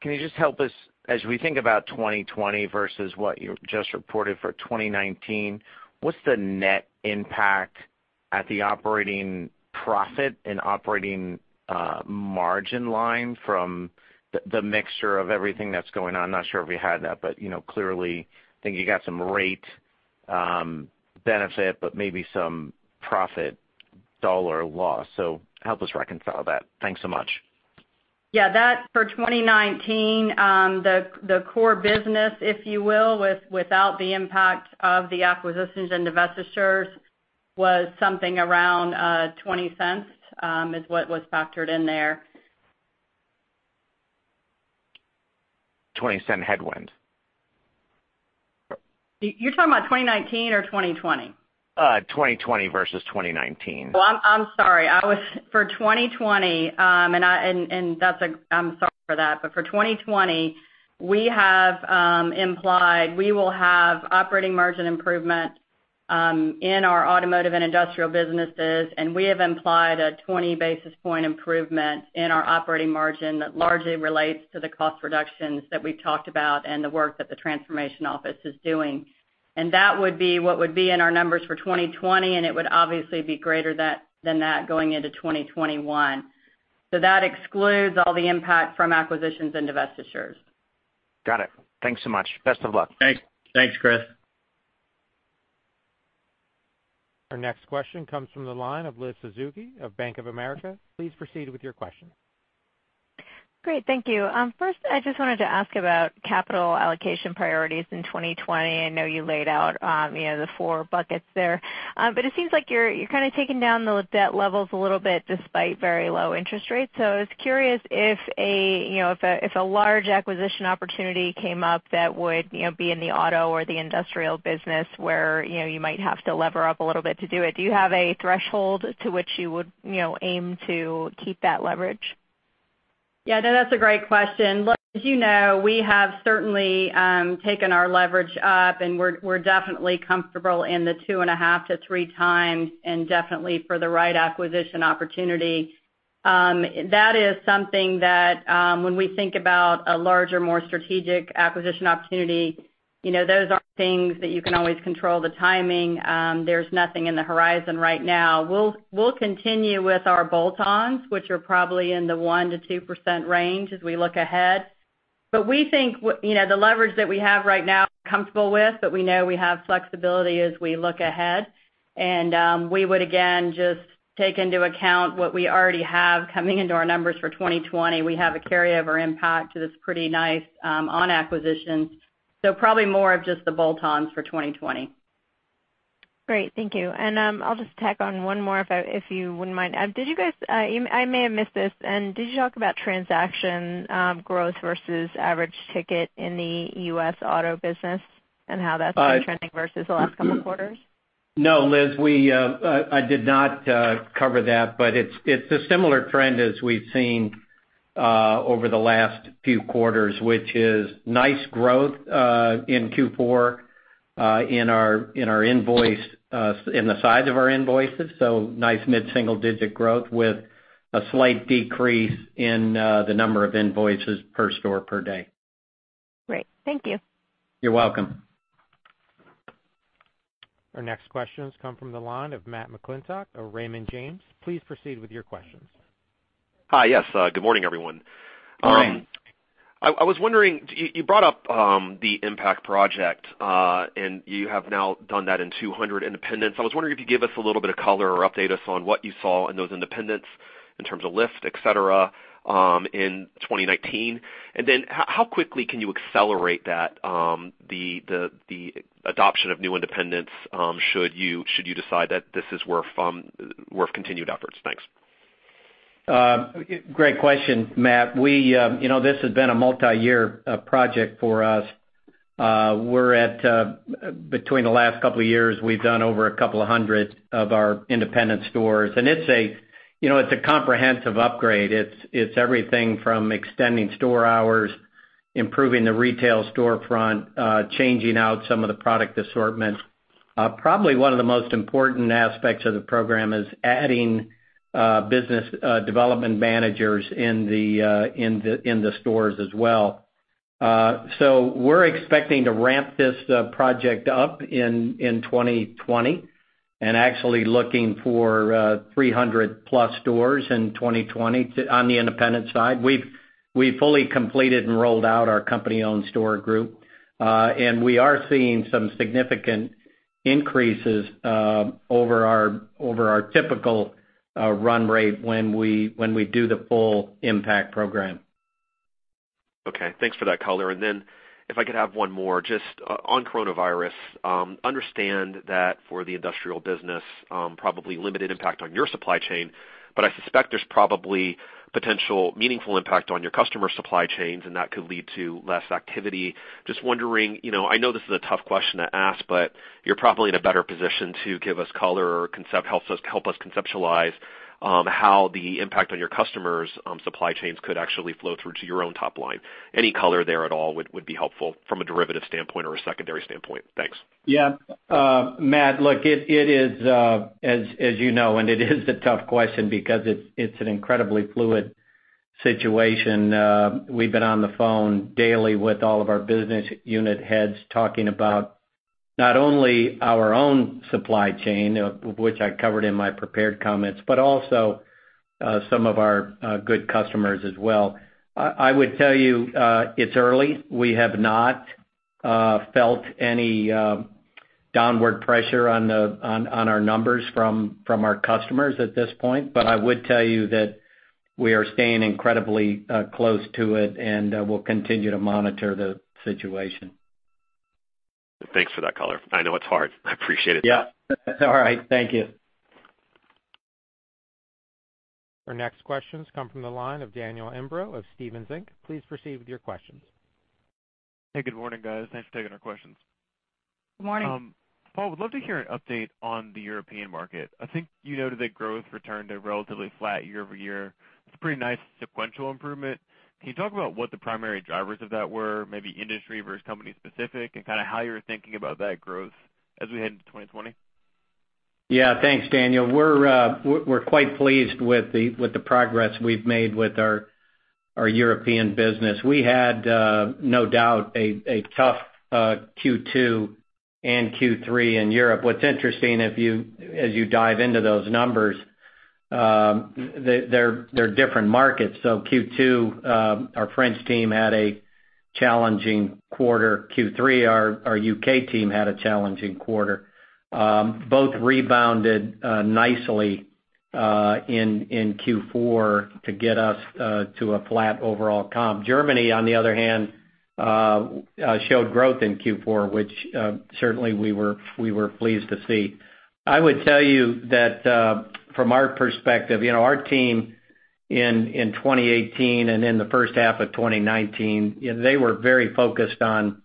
Can you just help us, as we think about 2020 versus what you just reported for 2019, what's the net impact at the operating profit and operating margin line from the mixture of everything that's going on? Not sure if you had that, but clearly, I think you got some rate benefit, but maybe some profit dollar loss. Help us reconcile that. Thanks so much. Yeah. That for 2019, the core business, if you will, without the impact of the acquisitions and divestitures, was something around $0.20, is what was factored in there. $0.20 headwind? You're talking about 2019 or 2020? 2020 versus 2019. Oh, I'm sorry. I'm sorry for that. For 2020, we have implied we will have operating margin improvement in our automotive and industrial businesses, and we have implied a 20-basis-point improvement in our operating margin that largely relates to the cost reductions that we've talked about and the work that the transformation office is doing. That would be what would be in our numbers for 2020, and it would obviously be greater than that going into 2021. That excludes all the impact from acquisitions and divestitures. Got it. Thanks so much. Best of luck. Thanks, Chris. Our next question comes from the line of Liz Suzuki of Bank of America. Please proceed with your question. Great. Thank you. First, I just wanted to ask about capital allocation priorities in 2020. I know you laid out the four buckets there. It seems like you're kind of taking down the debt levels a little bit despite very low interest rates. I was curious if a large acquisition opportunity came up that would be in the auto or the industrial business where you might have to lever up a little bit to do it, do you have a threshold to which you would aim to keep that leverage? That's a great question. Liz, as you know, we have certainly taken our leverage up, and we're definitely comfortable in the 2.5x-3x, and definitely for the right acquisition opportunity. That is something that when we think about a larger, more strategic acquisition opportunity, those aren't things that you can always control the timing. There's nothing in the horizon right now. We'll continue with our bolt-ons, which are probably in the 1%-2% range as we look ahead. We think the leverage that we have right now we're comfortable with, but we know we have flexibility as we look ahead. We would, again, just take into account what we already have coming into our numbers for 2020. We have a carryover impact that's pretty nice on acquisitions. Probably more of just the bolt-ons for 2020. Great. Thank you. I'll just tack on one more if you wouldn't mind. I may have missed this. Did you talk about transaction growth versus average ticket in the U.S. auto business and how that's been trending versus the last couple of quarters? No, Liz, I did not cover that. It's a similar trend as we've seen over the last few quarters, which is nice growth in Q4 in the size of our invoices. Nice mid-single-digit growth with a slight decrease in the number of invoices per store per day. Great. Thank you. You're welcome. Our next questions come from the line of Matt McClintock of Raymond James. Please proceed with your questions. Hi, yes. Good morning, everyone. Good morning. I was wondering, you brought up the Impact Project, and you have now done that in 200 independents. I was wondering if you could give us a little bit of color or update us on what you saw in those independents in terms of lift, et cetera, in 2019. How quickly can you accelerate the adoption of new independents should you decide that this is worth continued efforts? Thanks. Great question, Matt. This has been a multi-year project for us. Between the last couple of years, we've done over a couple of hundred of our independent stores, and it's a comprehensive upgrade. It's everything from extending store hours, improving the retail storefront, changing out some of the product assortments. Probably one of the most important aspects of the program is adding business development managers in the stores as well. We're expecting to ramp this project up in 2020 and actually looking for 300-plus stores in 2020 on the independent side. We've fully completed and rolled out our company-owned store group. We are seeing some significant increases over our typical run rate when we do the full impact program. Okay. Thanks for that color. Then if I could have one more just on coronavirus. Understand that for the industrial business, probably limited impact on your supply chain, but I suspect there's probably potential meaningful impact on your customer supply chains, and that could lead to less activity. Just wondering, I know this is a tough question to ask, but you're probably in a better position to give us color or help us conceptualize how the impact on your customers' supply chains could actually flow through to your own top line. Any color there at all would be helpful from a derivative standpoint or a secondary standpoint. Thanks. Matt, look, as you know, it is a tough question because it's an incredibly fluid situation. We've been on the phone daily with all of our business unit heads talking about not only our own supply chain, which I covered in my prepared comments, but also some of our good customers as well. I would tell you it's early. We have not felt any downward pressure on our numbers from our customers at this point. I would tell you that we are staying incredibly close to it, and we'll continue to monitor the situation. Thanks for that color. I know it's hard. I appreciate it. Yeah. All right. Thank you. Our next questions come from the line of Daniel Imbro of Stephens Inc. Please proceed with your questions. Hey, good morning, guys. Thanks for taking our questions. Good morning. Paul, would love to hear an update on the European market. I think you noted that growth returned to relatively flat year-over-year. It's a pretty nice sequential improvement. Can you talk about what the primary drivers of that were, maybe industry versus company specific, and kind of how you're thinking about that growth as we head into 2020? Yeah. Thanks, Daniel. We're quite pleased with the progress we've made with our European business. We had, no doubt, a tough Q2 and Q3 in Europe. What's interesting, as you dive into those numbers, they're different markets. Q2, our French team had a challenging quarter. Q3, our U.K. team had a challenging quarter. Both rebounded nicely in Q4 to get us to a flat overall comp. Germany, on the other hand, showed growth in Q4, which certainly we were pleased to see. I would tell you that from our perspective, our team in 2018 and in the first half of 2019, they were very focused on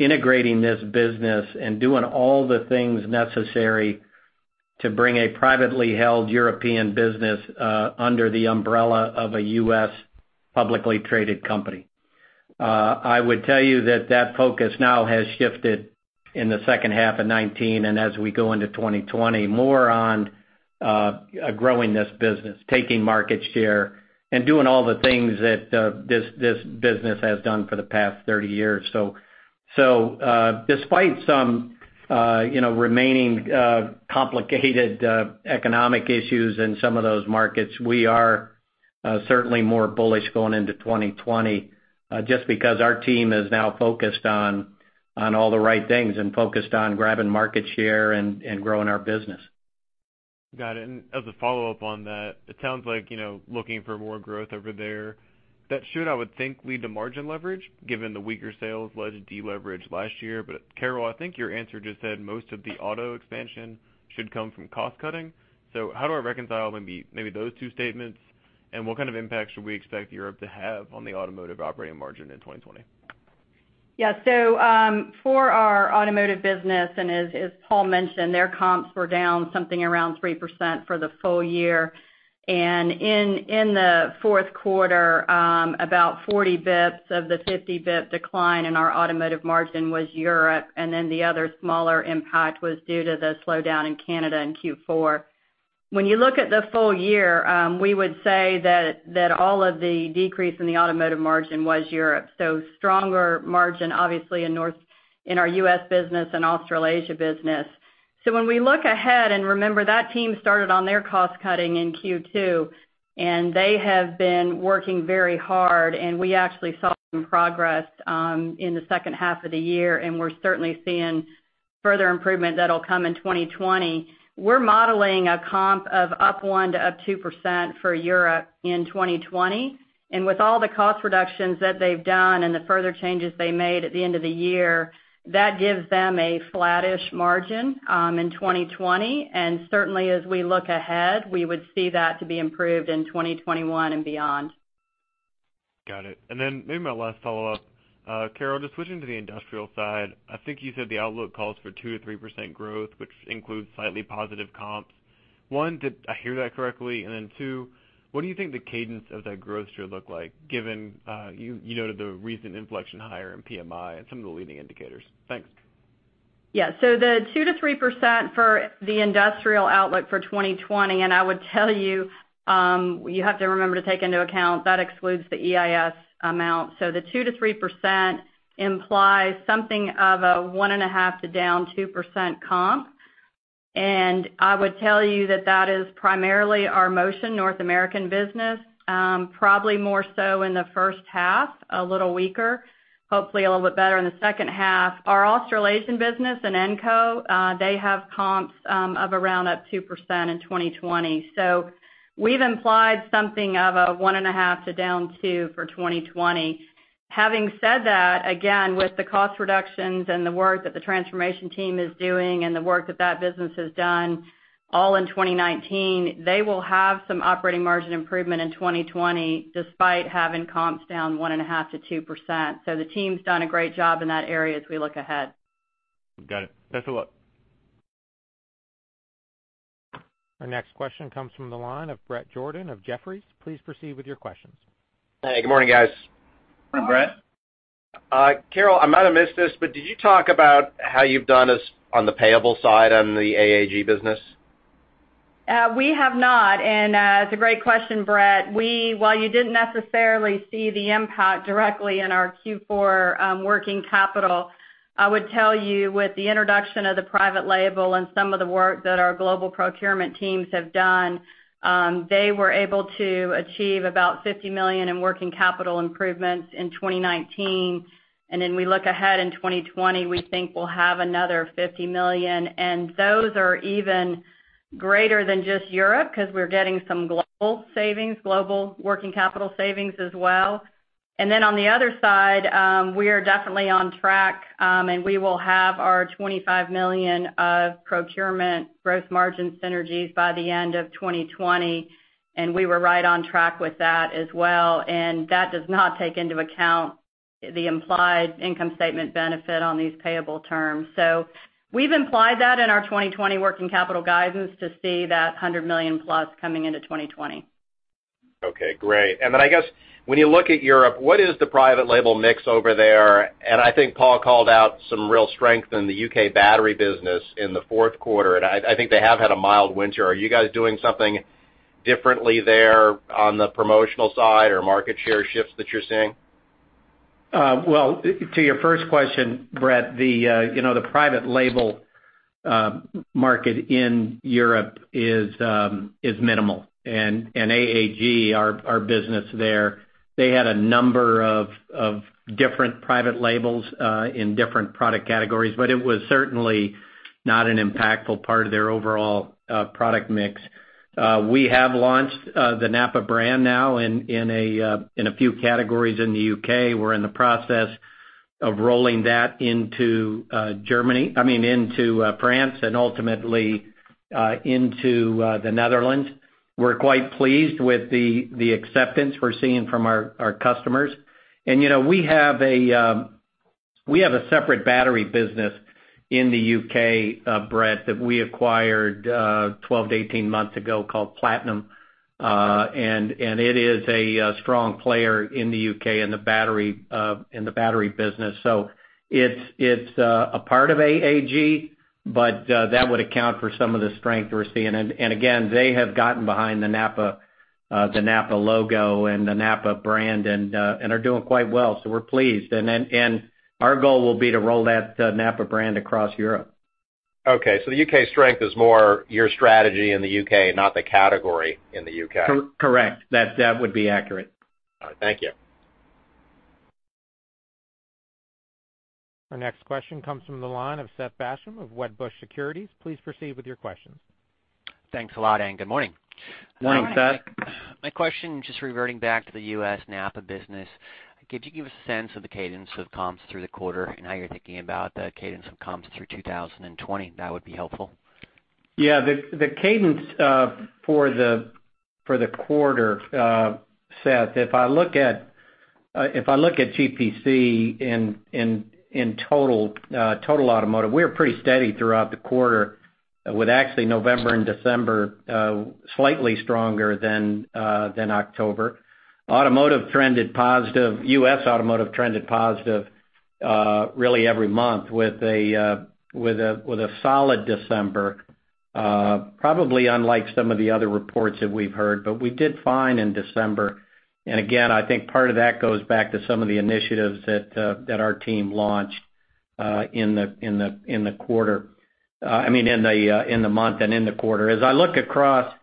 integrating this business and doing all the things necessary to bring a privately held European business under the umbrella of a U.S. publicly traded company. I would tell you that focus now has shifted in the second half of 2019 and as we go into 2020, more on growing this business, taking market share and doing all the things that this business has done for the past 30 years. Despite some remaining complicated economic issues in some of those markets, we are certainly more bullish going into 2020, just because our team is now focused on all the right things and focused on grabbing market share and growing our business. Got it. As a follow-up on that, it sounds like looking for more growth over there. That should, I would think, lead to margin leverage given the weaker sales led to deleverage last year. Carol, I think your answer just said most of the auto expansion should come from cost-cutting. How do I reconcile maybe those two statements, and what kind of impact should we expect Europe to have on the automotive operating margin in 2020? For our automotive business, as Paul mentioned, their comps were down something around 3% for the full year. In the fourth quarter, about 40 basis points of the 50-basis-point decline in our automotive margin was Europe, and then the other smaller impact was due to the slowdown in Canada in Q4. When you look at the full year, we would say that all of the decrease in the automotive margin was Europe. Stronger margin, obviously in our U.S. business and Australasia business. When we look ahead, and remember, that team started on their cost-cutting in Q2, and they have been working very hard and we actually saw some progress in the second half of the year, and we're certainly seeing further improvement that'll come in 2020. We're modeling a comp of up 1% to up 2% for Europe in 2020. With all the cost reductions that they've done and the further changes they made at the end of the year, that gives them a flattish margin in 2020. Certainly, as we look ahead, we would see that to be improved in 2021 and beyond. Got it. Maybe my last follow-up. Carol, just switching to the industrial side, I think you said the outlook calls for 2%-3% growth, which includes slightly positive comps. One, did I hear that correctly? Two, what do you think the cadence of that growth should look like given you noted the recent inflection higher in PMI and some of the leading indicators? Thanks. The 2%-3% for the industrial outlook for 2020, and I would tell you have to remember to take into account that excludes the EIS amount. The 2%-3% implies something of a 1.5% to down 2% comp. I would tell you that is primarily our Motion North American business. Probably more so in the first half, a little weaker, hopefully a little bit better in the second half. Our Australasian business and Inenco, they have comps of around up 2% in 2020. We've implied something of a 1.5% to down 2% for 2020. Having said that, again, with the cost reductions and the work that the transformation team is doing and the work that business has done all in 2019, they will have some operating margin improvement in 2020, despite having comps down 1.5% to 2%. The team's done a great job in that area as we look ahead. Got it. Thanks a lot. Our next question comes from the line of Bret Jordan of Jefferies. Please proceed with your questions. Hey, good morning, guys. Morning, Bret. Carol, I might have missed this, but did you talk about how you've done on the payable side on the AAG business? We have not, and it's a great question, Bret. While you didn't necessarily see the impact directly in our Q4 working capital, I would tell you with the introduction of the private label and some of the work that our global procurement teams have done, they were able to achieve about $50 million in working capital improvements in 2019. We look ahead in 2020, we think we'll have another $50 million, and those are even greater than just Europe because we're getting some global working capital savings as well. On the other side, we are definitely on track, and we will have our $25 million of procurement gross margin synergies by the end of 2020, and we were right on track with that as well. That does not take into account the implied income statement benefit on these payable terms. We've implied that in our 2020 working capital guidance to see that $100 million+ coming into 2020. Okay, great. I guess when you look at Europe, what is the private label mix over there? I think Paul called out some real strength in the U.K. battery business in the fourth quarter, and I think they have had a mild winter. Are you guys doing something differently there on the promotional side or market share shifts that you're seeing? To your first question, Bret, the private label market in Europe is minimal and AAG, our business there, they had a number of different private labels in different product categories, but it was certainly not an impactful part of their overall product mix. We have launched the NAPA brand now in a few categories in the U.K. We're in the process of rolling that into France and ultimately, into the Netherlands. We're quite pleased with the acceptance we're seeing from our customers. We have a separate battery business in the U.K., Bret, that we acquired 12-18 months ago called Platinum. It is a strong player in the U.K. in the battery business. It's a part of AAG, but that would account for some of the strength we're seeing. Again, they have gotten behind the NAPA logo and the NAPA brand and are doing quite well. We're pleased. Our goal will be to roll that NAPA brand across Europe. Okay. The U.K. strength is more your strategy in the U.K., not the category in the U.K. Correct. That would be accurate. All right. Thank you. Our next question comes from the line of Seth Basham of Wedbush Securities. Please proceed with your questions. Thanks a lot, good morning. Morning, Seth. My question, just reverting back to the U.S. NAPA business, could you give a sense of the cadence of comps through the quarter and how you're thinking about the cadence of comps through 2020? That would be helpful. The cadence for the quarter, Seth, if I look at GPC in total automotive, we were pretty steady throughout the quarter with actually November and December, slightly stronger than October. U.S. automotive trended positive really every month with a solid December, probably unlike some of the other reports that we've heard, but we did fine in December. Again, I think part of that goes back to some of the initiatives that our team launched in the month and in the quarter. As I look across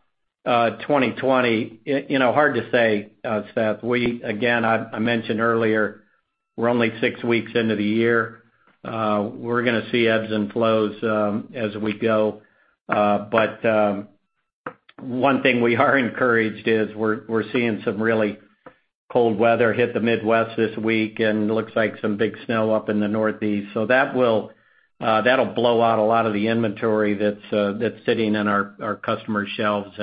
2020, hard to say, Seth. Again, I mentioned earlier, we're only six weeks into the year. We're going to see ebbs and flows as we go. One thing we are encouraged is we're seeing some really cold weather hit the Midwest this week, and it looks like some big snow up in the Northeast. That'll blow out a lot of the inventory that's sitting in our customers' shelves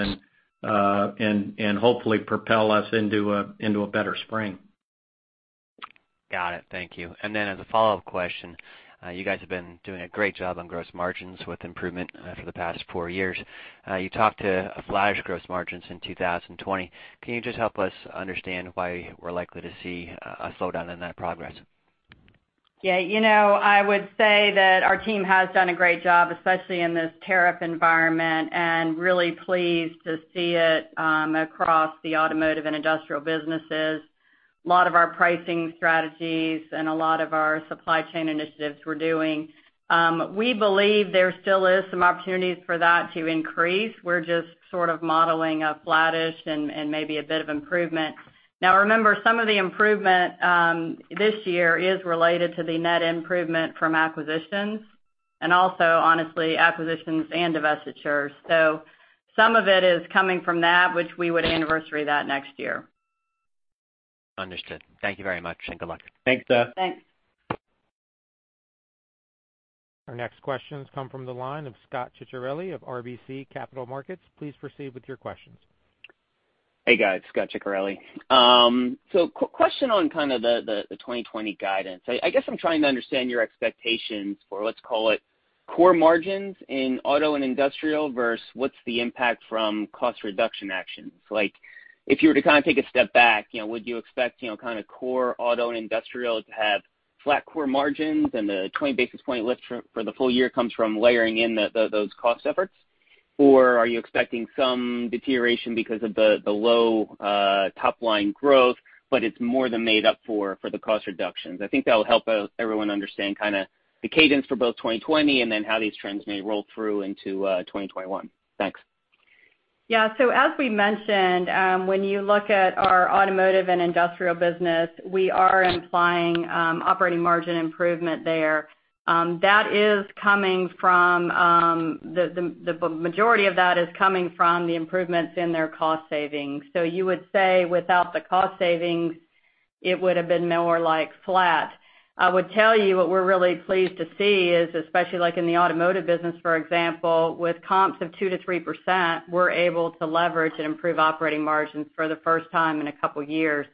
and hopefully propel us into a better spring. Got it. Thank you. As a follow-up question, you guys have been doing a great job on gross margins with improvement for the past four years. You talked to flattish gross margins in 2020. Can you just help us understand why we're likely to see a slowdown in that progress? Yeah. I would say that our team has done a great job, especially in this tariff environment, and really pleased to see it across the automotive and industrial businesses. A lot of our pricing strategies and a lot of our supply chain initiatives we're doing, we believe there still is some opportunities for that to increase. We're just sort of modeling a flattish and maybe a bit of improvement. Now, remember, some of the improvement this year is related to the net improvement from acquisitions and also, honestly, acquisitions and divestitures. Some of it is coming from that, which we would anniversary that next year. Understood. Thank you very much, and good luck. Thanks, Seth. Thanks. Our next questions come from the line of Scot Ciccarelli of RBC Capital Markets. Please proceed with your questions. Hey, guys. Scot Ciccarelli. Question on kind of the 2020 guidance. I guess I'm trying to understand your expectations for, let's call it, core margins in auto and industrial versus what's the impact from cost reduction actions. If you were to kind of take a step back, would you expect kind of core auto and industrial to have flat core margins and the 20-basis point lift for the full year comes from layering in those cost efforts? Or are you expecting some deterioration because of the low top-line growth, but it's more than made up for the cost reductions? I think that'll help everyone understand kind of the cadence for both 2020 and then how these trends may roll through into 2021. Thanks. As we mentioned, when you look at our automotive and industrial business, we are implying operating margin improvement there. The majority of that is coming from the improvements in their cost savings. You would say without the cost savings, it would have been more like flat. I would tell you what we're really pleased to see is, especially like in the automotive business, for example, with comps of 2%-3%, we're able to leverage and improve operating margins for the first time in a couple of years.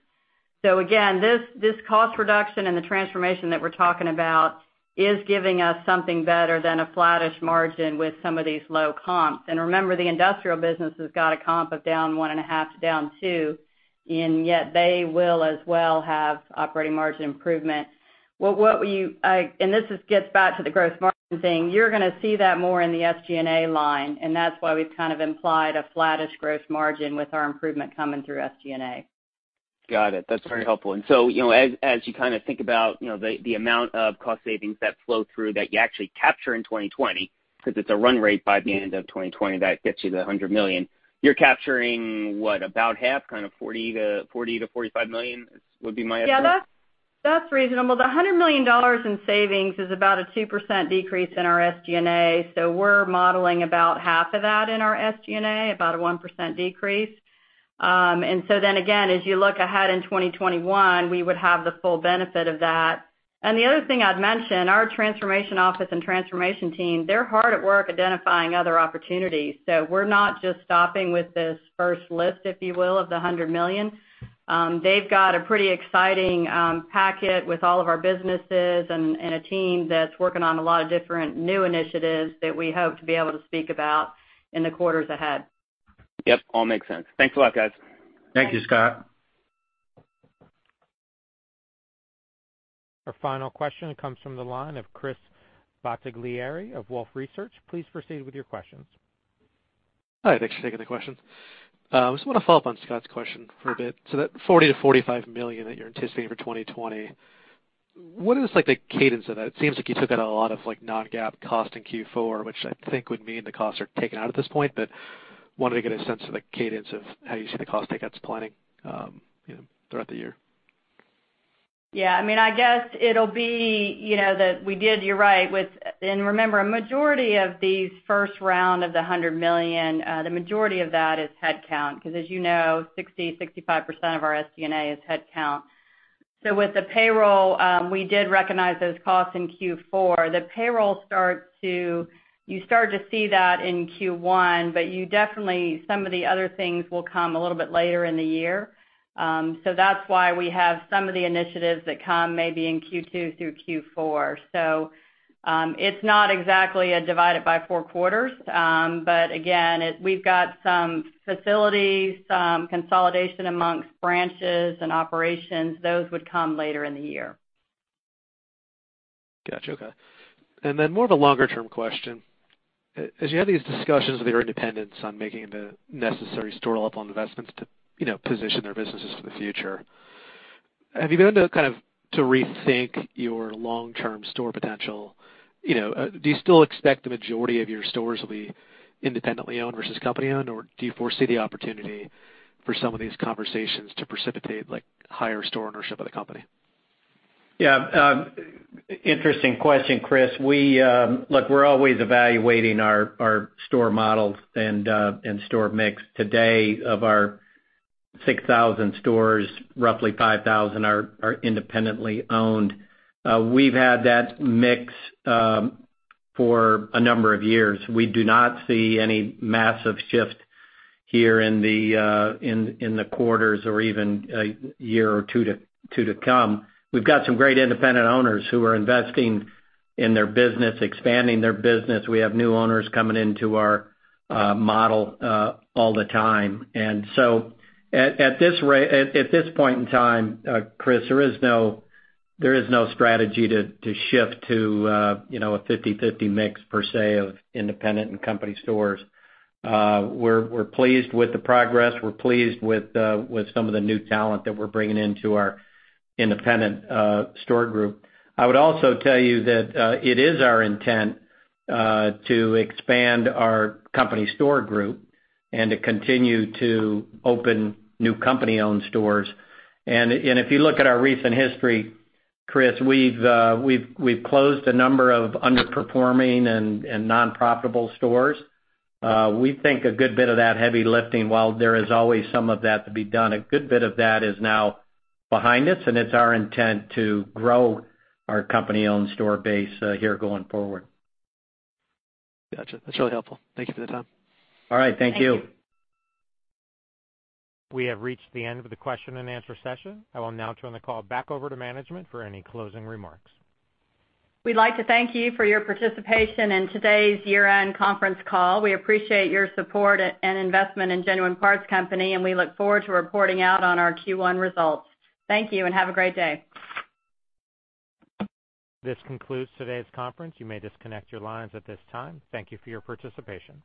Again, this cost reduction and the transformation that we're talking about is giving us something better than a flattish margin with some of these low comps. Remember, the industrial business has got a comp of down 1.5% to down 2%, and yet they will as well have operating margin improvement. This just gets back to the gross margin thing. You're going to see that more in the SG&A line. That's why we've kind of implied a flattish gross margin with our improvement coming through SG&A. Got it. That's very helpful. As you kind of think about the amount of cost savings that flow through that you actually capture in 2020, because it's a run rate by the end of 2020 that gets you to the $100 million. You're capturing what? About half? Kind of $40 million-$45 million would be my estimate? Yeah, that's reasonable. The $100 million in savings is about a 2% decrease in our SG&A, so we're modeling about half of that in our SG&A, about a 1% decrease. Again, as you look ahead in 2021, we would have the full benefit of that. The other thing I'd mention, our transformation office and transformation team, they're hard at work identifying other opportunities. We're not just stopping with this first list, if you will, of the $100 million. They've got a pretty exciting packet with all of our businesses and a team that's working on a lot of different new initiatives that we hope to be able to speak about in the quarters ahead. Yep. All makes sense. Thanks a lot, guys. Thank you. Thank you, Scot. Our final question comes from the line of Chris Bottiglieri of Wolfe Research. Please proceed with your questions. Hi, thanks for taking the question. I just want to follow up on Scot's question for a bit. That $40 million-$45 million that you're anticipating for 2020, what is the cadence of that? It seems like you took out a lot of non-GAAP cost in Q4, which I think would mean the costs are taken out at this point, but wanted to get a sense of the cadence of how you see the cost takeouts planning throughout the year. Yeah, I guess it'll be that we did, you're right. Remember, a majority of these first round of the $100 million, the majority of that is headcount, because as you know, 60%, 65% of our SG&A is headcount. With the payroll, we did recognize those costs in Q4. The payroll, you start to see that in Q1, definitely some of the other things will come a little bit later in the year. That's why we have some of the initiatives that come maybe in Q2 through Q4. It's not exactly a divide it by four quarters. Again, we've got some facilities, some consolidation amongst branches and operations. Those would come later in the year. Got you. Okay. More of a longer-term question. As you have these discussions with your independents on making the necessary store level investments to position their businesses for the future, have you begun to kind of rethink your long-term store potential? Do you still expect the majority of your stores will be independently owned versus company-owned? Do you foresee the opportunity for some of these conversations to precipitate higher store ownership of the company? Yeah. Interesting question, Chris. Look, we're always evaluating our store models and store mix. Today, of our 6,000 stores, roughly 5,000 are independently owned. We've had that mix for a number of years. We do not see any massive shift here in the quarters or even a year or two to come. We've got some great independent owners who are investing in their business, expanding their business. We have new owners coming into our model all the time. At this point in time, Chris, there is no strategy to shift to a 50/50 mix per se of independent and company stores. We're pleased with the progress, we're pleased with some of the new talent that we're bringing into our independent store group. I would also tell you that it is our intent to expand our company store group and to continue to open new company-owned stores. If you look at our recent history, Chris, we've closed a number of underperforming and non-profitable stores. We think a good bit of that heavy lifting, while there is always some of that to be done, a good bit of that is now behind us. It's our intent to grow our company-owned store base here going forward. Got you. That's really helpful. Thank you for the time. All right. Thank you. Thank you. We have reached the end of the question and answer session. I will now turn the call back over to management for any closing remarks. We'd like to thank you for your participation in today's year-end conference call. We appreciate your support and investment in Genuine Parts Company, and we look forward to reporting out on our Q1 results. Thank you and have a great day. This concludes today's conference. You may disconnect your lines at this time. Thank you for your participation.